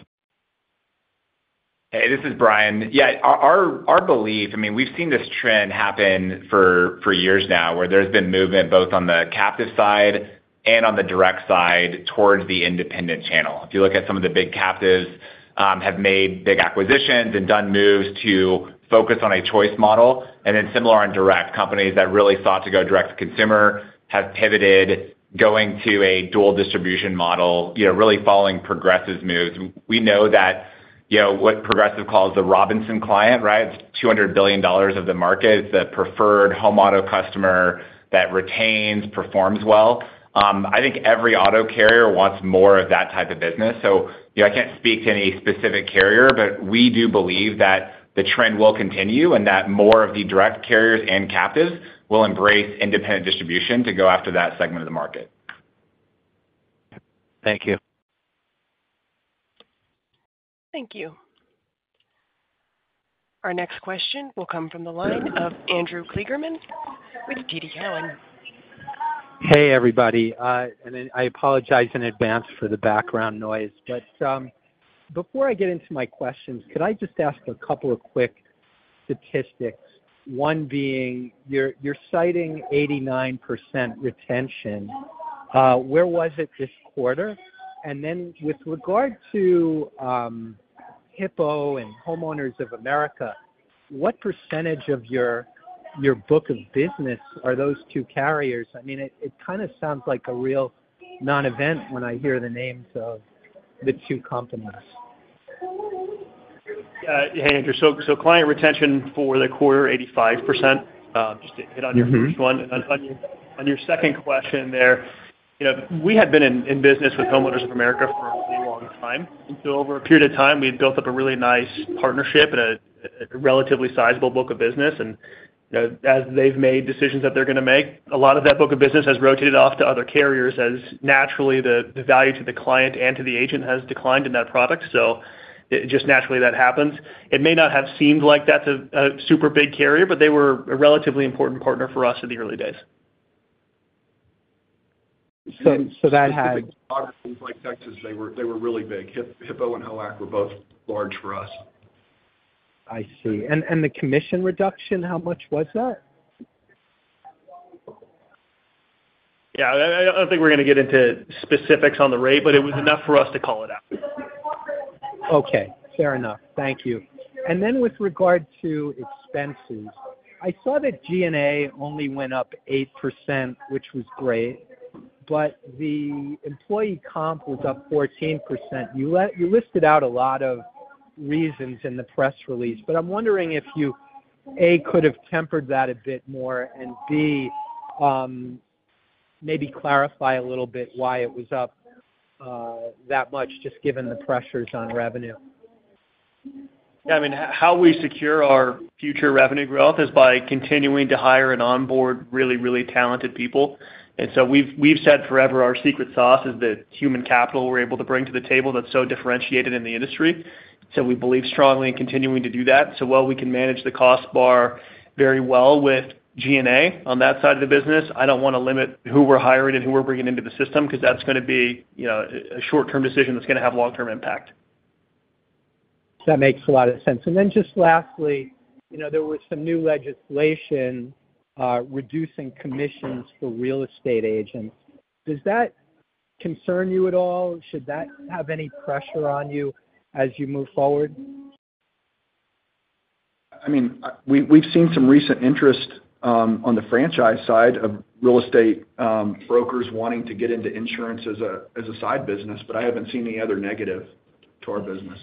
Hey. This is Brian. Yeah. Our belief, I mean, we've seen this trend happen for years now where there's been movement both on the captive side and on the direct side towards the independent channel. If you look at some of the big captives have made big acquisitions and done moves to focus on a choice model. And then similar on direct, companies that really sought to go direct to consumer have pivoted going to a dual distribution model, really following Progressive's moves. We know that what Progressive calls the Robinson client, right? It's $200 billion of the market. It's the preferred home auto customer that retains, performs well. I think every auto carrier wants more of that type of business. I can't speak to any specific carrier, but we do believe that the trend will continue and that more of the direct carriers and captives will embrace independent distribution to go after that segment of the market. Thank you. Thank you. Our next question will come from the line of Andrew Kligerman with TD Cowen. Hey, everybody. And I apologize in advance for the background noise. But before I get into my questions, could I just ask a couple of quick statistics? One being, you're citing 89% retention. Where was it this quarter? And then with regard to Hippo and Homeowners of America, what percentage of your book of business are those two carriers? I mean, it kind of sounds like a real non-event when I hear the names of the two companies. Hey, Andrew. So client retention for the quarter, 85%. Just to hit on your first one. On your second question there, we had been in business with Homeowners of America for a really long time. And so over a period of time, we had built up a really nice partnership and a relatively sizable book of business. And as they've made decisions that they're going to make, a lot of that book of business has rotated off to other carriers as naturally the value to the client and to the agent has declined in that product. So just naturally, that happens. It may not have seemed like that's a super big carrier, but they were a relatively important partner for us in the early days. So that had. In regions like Texas, they were really big. Hippo and Homeowners of America were both large for us. I see. And the commission reduction, how much was that? Yeah. I don't think we're going to get into specifics on the rate, but it was enough for us to call it out. Okay. Fair enough. Thank you. And then with regard to expenses, I saw that G&A only went up 8%, which was great, but the employee comp was up 14%. You listed out a lot of reasons in the press release, but I'm wondering if you, A, could have tempered that a bit more and, B, maybe clarify a little bit why it was up that much just given the pressures on revenue. Yeah. I mean, how we secure our future revenue growth is by continuing to hire and onboard really, really talented people. And so we've said forever our secret sauce is the human capital we're able to bring to the table that's so differentiated in the industry. So we believe strongly in continuing to do that. So while we can manage the cost bar very well with G&A on that side of the business, I don't want to limit who we're hiring and who we're bringing into the system because that's going to be a short-term decision that's going to have long-term impact. That makes a lot of sense. And then just lastly, there was some new legislation reducing commissions for real estate agents. Does that concern you at all? Should that have any pressure on you as you move forward? I mean, we've seen some recent interest on the franchise side of real estate brokers wanting to get into insurance as a side business, but I haven't seen any other negative to our business.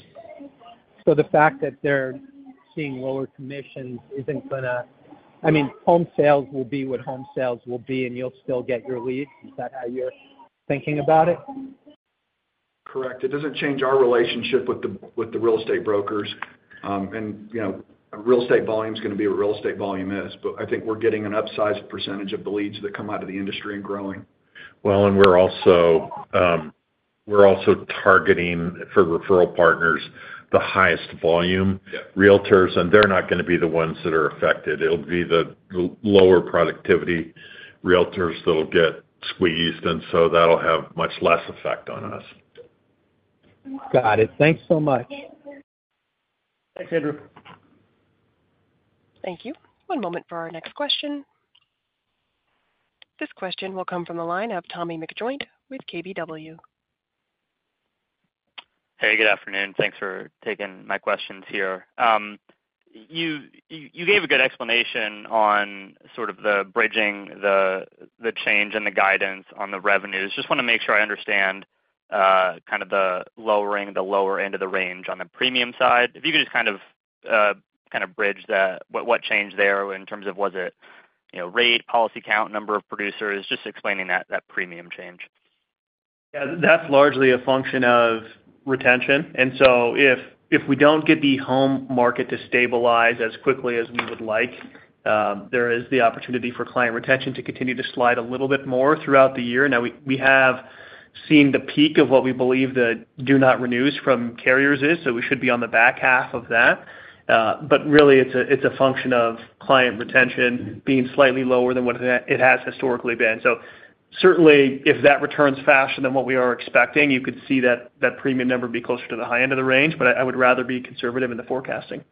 So the fact that they're seeing lower commissions isn't going to—I mean, home sales will be what home sales will be, and you'll still get your leads. Is that how you're thinking about it? Correct. It doesn't change our relationship with the real estate brokers. And real estate volume is going to be what real estate volume is. But I think we're getting an upsized percentage of the leads that come out of the industry and growing. Well, and we're also targeting for referral partners the highest volume Realtors, and they're not going to be the ones that are affected. It'll be the lower productivity Realtors that'll get squeezed, and so that'll have much less effect on us. Got it. Thanks so much. Thanks, Andrew. Thank you. One moment for our next question. This question will come from the line of Tommy McJoynt with KBW. Hey. Good afternoon. Thanks for taking my questions here. You gave a good explanation on sort of the bridging, the change, and the guidance on the revenues. Just want to make sure I understand kind of the lowering the lower end of the range on the premium side. If you could just kind of bridge that, what changed there in terms of was it rate, policy count, number of producers? Just explaining that premium change. Yeah. That's largely a function of retention. And so if we don't get the home market to stabilize as quickly as we would like, there is the opportunity for client retention to continue to slide a little bit more throughout the year. Now, we have seen the peak of what we believe the do-not-renewals from carriers is, so we should be on the back half of that. But really, it's a function of client retention being slightly lower than what it has historically been. So certainly, if that returns faster than what we are expecting, you could see that premium number be closer to the high end of the range, but I would rather be conservative in the forecasting.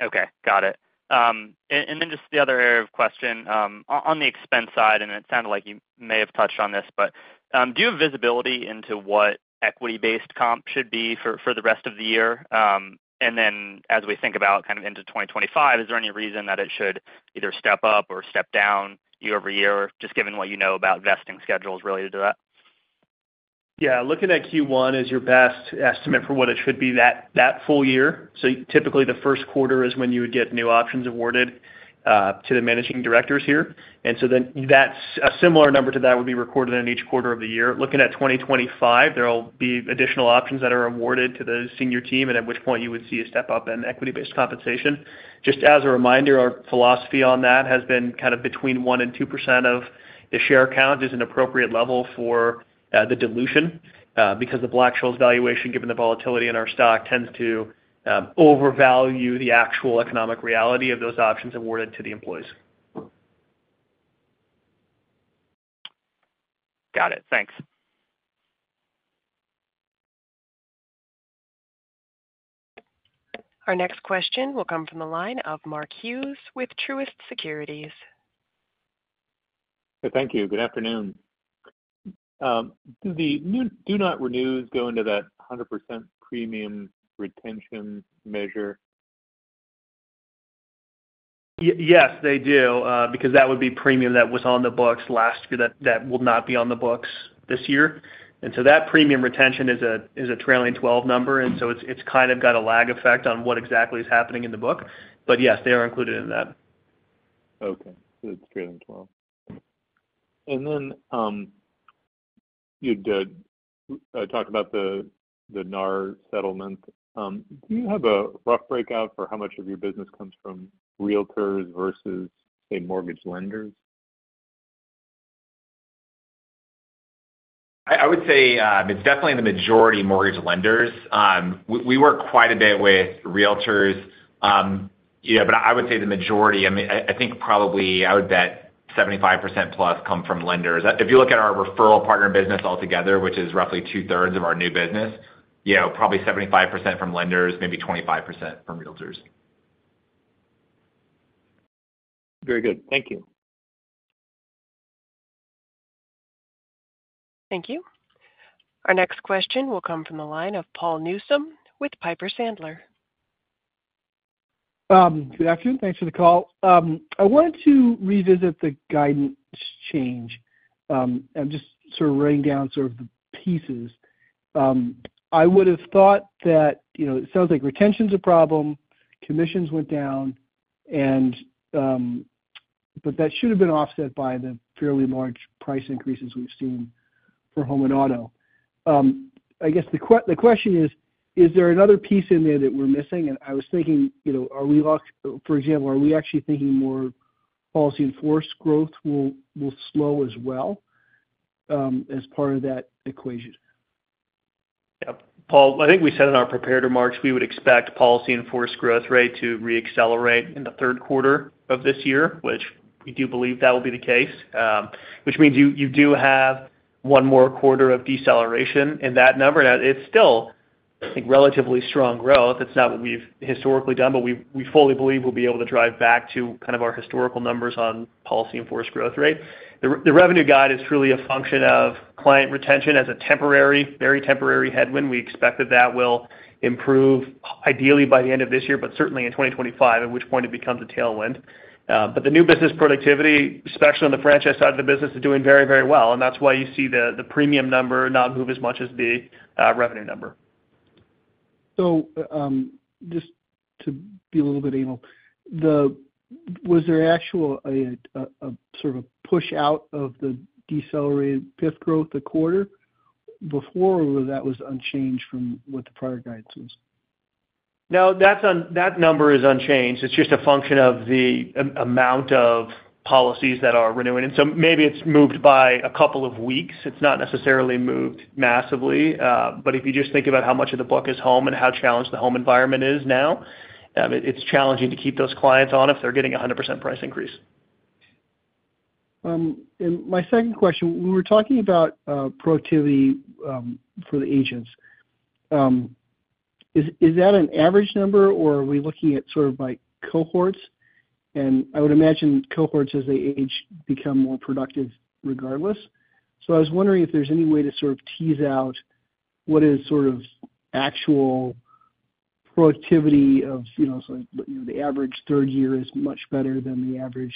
Okay. Got it. And then just the other area of question, on the expense side, and it sounded like you may have touched on this, but do you have visibility into what equity-based comp should be for the rest of the year? And then as we think about kind of into 2025, is there any reason that it should either step up or step down year-over-year, just given what you know about vesting schedules related to that? Yeah. Looking at Q1 as your best estimate for what it should be that full year. So typically, the first quarter is when you would get new options awarded to the managing directors here. And so then a similar number to that would be recorded in each quarter of the year. Looking at 2025, there'll be additional options that are awarded to the senior team, and at which point you would see a step up in equity-based compensation. Just as a reminder, our philosophy on that has been kind of between 1%-2% of the share count is an appropriate level for the dilution because the Black-Scholes valuation, given the volatility in our stock, tends to overvalue the actual economic reality of those options awarded to the employees. Got it. Thanks. Our next question will come from the line of Mark Hughes with Truist Securities. Thank you. Good afternoon. Do the do-not-renews go into that 100% premium retention measure? Yes, they do because that would be premium that was on the books last year that will not be on the books this year. So that premium retention is a trailing 12 number, and so it's kind of got a lag effect on what exactly is happening in the book. But yes, they are included in that. Okay. So it's trailing 12. And then you talked about the NAR settlement. Do you have a rough breakout for how much of your business comes from Realtors versus, say, mortgage lenders? I would say it's definitely in the majority mortgage lenders. We work quite a bit with Realtors, but I would say the majority, I mean, I think probably I would bet 75%+ come from lenders. If you look at our referral partner business altogether, which is roughly two-thirds of our new business, probably 75% from lenders, maybe 25% from Realtors. Very good. Thank you. Thank you. Our next question will come from the line of Paul Newsome with Piper Sandler. Good afternoon. Thanks for the call. I wanted to revisit the guidance change. I'm just sort of writing down sort of the pieces. I would have thought that it sounds like retention's a problem, commissions went down, but that should have been offset by the fairly large price increases we've seen for home and auto. I guess the question is, is there another piece in there that we're missing? I was thinking, are we for example, are we actually thinking policies in force growth will slow as well as part of that equation? Yeah. Paul, I think we said in our prepared remarks, we would expect policies in force growth rate to reaccelerate in the third quarter of this year, which we do believe that will be the case, which means you do have one more quarter of deceleration in that number. Now, it's still, I think, relatively strong growth. It's not what we've historically done, but we fully believe we'll be able to drive back to kind of our historical numbers on policies in force growth rate. The revenue guide is truly a function of client retention as a temporary, very temporary headwind. We expect that that will improve ideally by the end of this year, but certainly in 2025, at which point it becomes a tailwind. But the new business productivity, especially on the franchise side of the business, is doing very, very well, and that's why you see the premium number not move as much as the revenue number. So, just to be a little bit amiable, was there actual sort of a push out of the decelerated PIF growth a quarter before, or that was unchanged from what the prior guidance was? No, that number is unchanged. It's just a function of the amount of policies that are renewing. And so maybe it's moved by a couple of weeks. It's not necessarily moved massively. But if you just think about how much of the book is home and how challenged the home environment is now, it's challenging to keep those clients on if they're getting a 100% price increase. My second question, when we were talking about productivity for the agents, is that an average number, or are we looking at sort of cohorts? I would imagine cohorts as they age become more productive regardless. So I was wondering if there's any way to sort of tease out what is sort of actual productivity of so the average 3rd year is much better than the average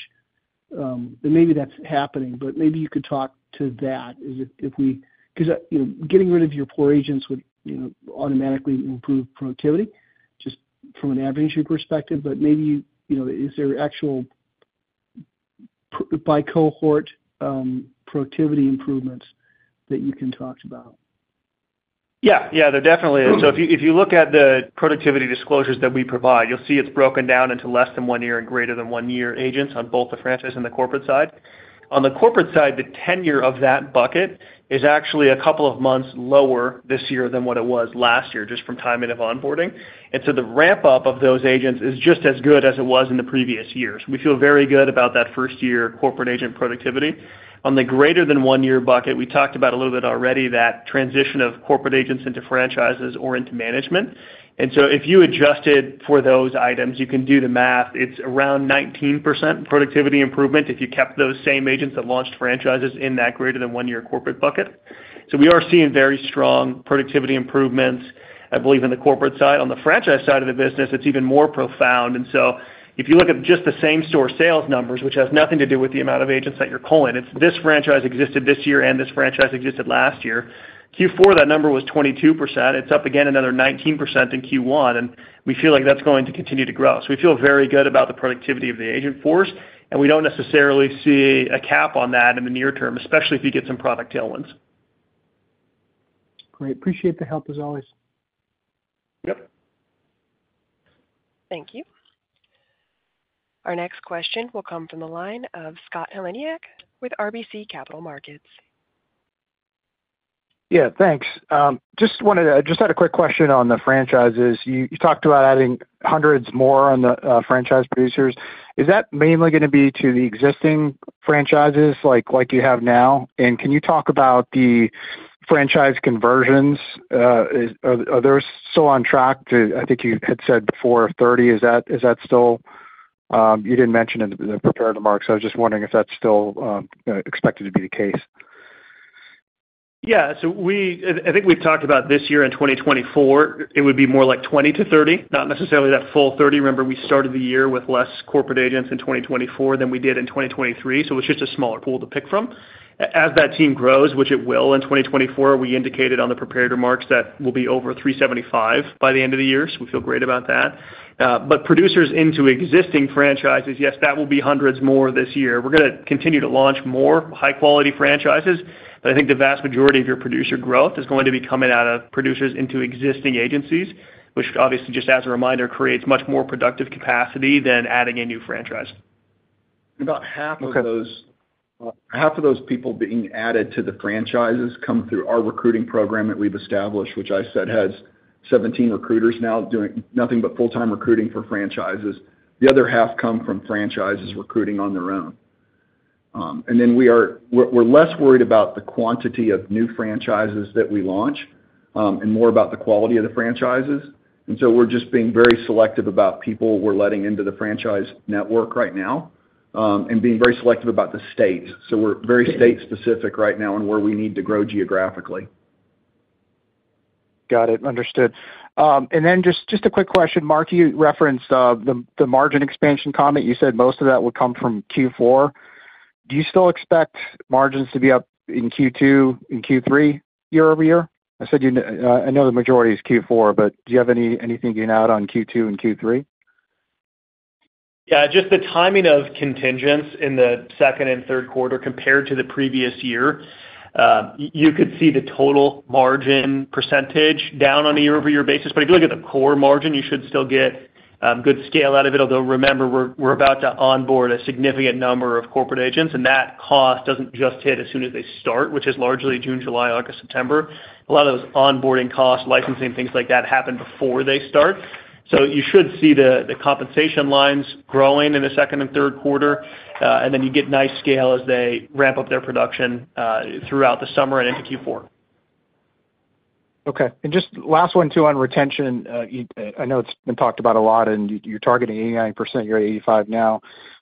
and maybe that's happening, but maybe you could talk to that because getting rid of your poor agents would automatically improve productivity just from an averaging perspective. But maybe is there actual by-cohort productivity improvements that you can talk about? Yeah. Yeah. There definitely is. So if you look at the productivity disclosures that we provide, you'll see it's broken down into less than one year and greater than one year agents on both the franchise and the corporate side. On the corporate side, the tenure of that bucket is actually a couple of months lower this year than what it was last year just from time and of onboarding. And so the ramp-up of those agents is just as good as it was in the previous years. We feel very good about that first-year corporate agent productivity. On the greater than one-year bucket, we talked about a little bit already that transition of corporate agents into franchises or into management. And so if you adjusted for those items, you can do the math. It's around 19% productivity improvement if you kept those same agents that launched franchises in that greater than 1-year corporate bucket. So we are seeing very strong productivity improvements, I believe, in the corporate side. On the franchise side of the business, it's even more profound. And so if you look at just the same-store sales numbers, which has nothing to do with the amount of agents that you're calling, it's this franchise existed this year and this franchise existed last year. Q4, that number was 22%. It's up again another 19% in Q1, and we feel like that's going to continue to grow. So we feel very good about the productivity of the agent force, and we don't necessarily see a cap on that in the near term, especially if you get some product tailwinds. Great. Appreciate the help as always. Yep. Thank you. Our next question will come from the line of Scott Heleniak with RBC Capital Markets. Yeah. Thanks. Just had a quick question on the franchises. You talked about adding hundreds more on the franchise producers. Is that mainly going to be to the existing franchises like you have now? And can you talk about the franchise conversions? Are those still on track to, I think you had said before, 30? Is that still, you didn't mention in the prepared remarks, so I was just wondering if that's still expected to be the case? Yeah. So I think we've talked about this year in 2024, it would be more like 20-30, not necessarily that full 30. Remember, we started the year with less corporate agents in 2024 than we did in 2023, so it was just a smaller pool to pick from. As that team grows, which it will in 2024, we indicated on the prepared remarks that we'll be over 375 by the end of the year, so we feel great about that. But producers into existing franchises, yes, that will be hundreds more this year. We're going to continue to launch more high-quality franchises, but I think the vast majority of your producer growth is going to be coming out of producers into existing agencies, which obviously, just as a reminder, creates much more productive capacity than adding a new franchise. And about half of those people being added to the franchises come through our recruiting program that we've established, which I said has 17 recruiters now doing nothing but full-time recruiting for franchises. The other half come from franchises recruiting on their own. And then we're less worried about the quantity of new franchises that we launch and more about the quality of the franchises. And so we're just being very selective about people we're letting into the franchise network right now and being very selective about the states. So we're very state-specific right now and where we need to grow geographically. Got it. Understood. And then just a quick question, Mark, you referenced the margin expansion comment. You said most of that would come from Q4. Do you still expect margins to be up in Q2, in Q3 year-over-year? I know the majority is Q4, but do you have anything out on Q2 and Q3? Yeah. Just the timing of contingents in the second and third quarter compared to the previous year, you could see the total margin percentage down on a year-over-year basis. But if you look at the core margin, you should still get good scale out of it. Although remember, we're about to onboard a significant number of corporate agents, and that cost doesn't just hit as soon as they start, which is largely June, July, August, September. A lot of those onboarding costs, licensing, things like that happen before they start. So you should see the compensation lines growing in the second and third quarter, and then you get nice scale as they ramp up their production throughout the summer and into Q4. Okay. Just last one, too, on retention. I know it's been talked about a lot, and you're targeting 89%. You're at 85% now.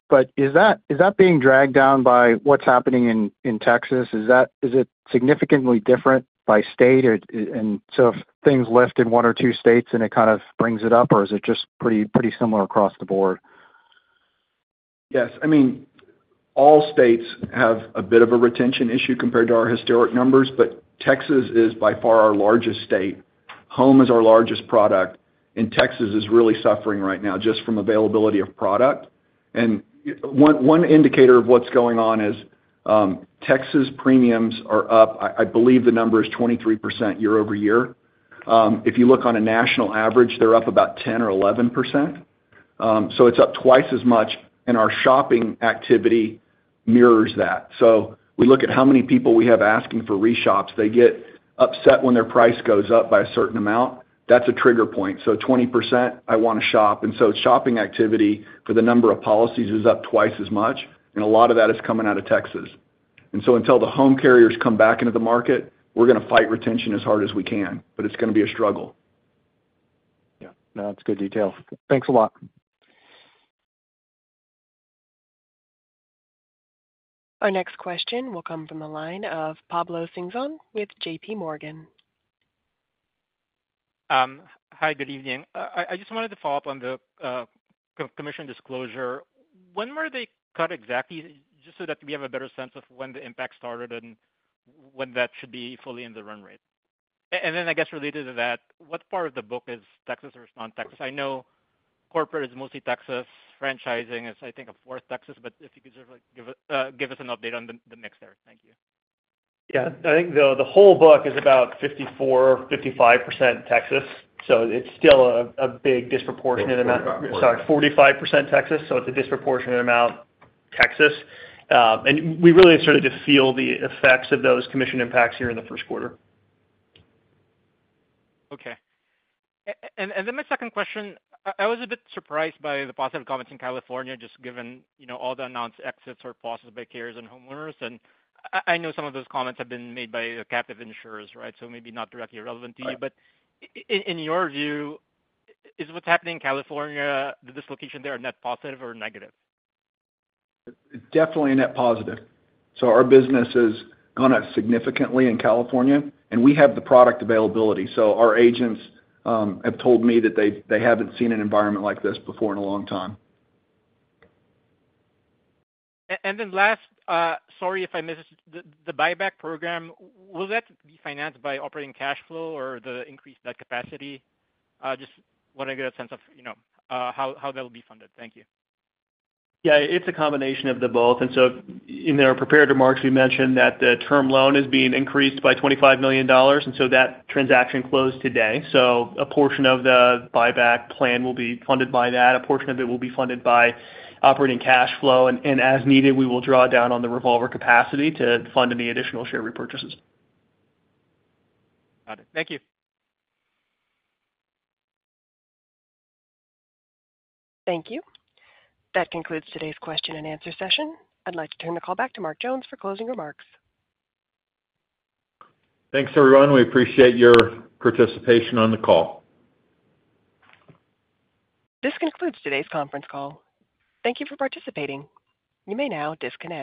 But is that being dragged down by what's happening in Texas? Is it significantly different by state? And so if things lift in one or two states, then it kind of brings it up, or is it just pretty similar across the board? Yes. I mean, all states have a bit of a retention issue compared to our historic numbers, but Texas is by far our largest state. Home is our largest product, and Texas is really suffering right now just from availability of product. And one indicator of what's going on is Texas premiums are up. I believe the number is 23% year-over-year. If you look on a national average, they're up about 10% or 11%. So it's up twice as much, and our shopping activity mirrors that. So we look at how many people we have asking for reshops. They get upset when their price goes up by a certain amount. That's a trigger point. So 20%, I want to shop. And so shopping activity for the number of policies is up twice as much, and a lot of that is coming out of Texas. And so until the home carriers come back into the market, we're going to fight retention as hard as we can, but it's going to be a struggle. Yeah. No, that's good detail. Thanks a lot. Our next question will come from the line of Pablo Singzon with J.P. Morgan. Hi. Good evening. I just wanted to follow up on the commission disclosure. When were they cut exactly just so that we have a better sense of when the impact started and when that should be fully in the run rate? And then, I guess, related to that, what part of the book is Texas versus non-Texas? I know corporate is mostly Texas. Franchising is, I think, a 4th Texas, but if you could sort of give us an update on the mix there. Thank you. Yeah. I think the whole book is about 54%-55% Texas. So it's still a big disproportionate amount, sorry, 45% Texas. So it's a disproportionate amount Texas. And we really started to feel the effects of those commission impacts here in the first quarter. Okay. Then my second question, I was a bit surprised by the positive comments in California just given all the announced exits or pauses by carriers and homeowners. I know some of those comments have been made by captive insurers, right, so maybe not directly relevant to you. But in your view, is what's happening in California, the dislocation there, a net positive or negative? Definitely a net positive. So our business has gone up significantly in California, and we have the product availability. So our agents have told me that they haven't seen an environment like this before in a long time. And then last, sorry if I missed this, the buyback program, will that be financed by operating cash flow or the increased net capacity? Just want to get a sense of how that will be funded. Thank you. Yeah. It's a combination of the both. And so in our prepared remarks, we mentioned that the term loan is being increased by $25 million, and so that transaction closed today. So a portion of the buyback plan will be funded by that. A portion of it will be funded by operating cash flow. And as needed, we will draw down on the revolver capacity to fund any additional share repurchases. Got it. Thank you. Thank you. That concludes today's question and answer session. I'd like to turn the call back to Mark Jones for closing remarks. Thanks, everyone. We appreciate your participation on the call. This concludes today's conference call. Thank you for participating. You may now disconnect.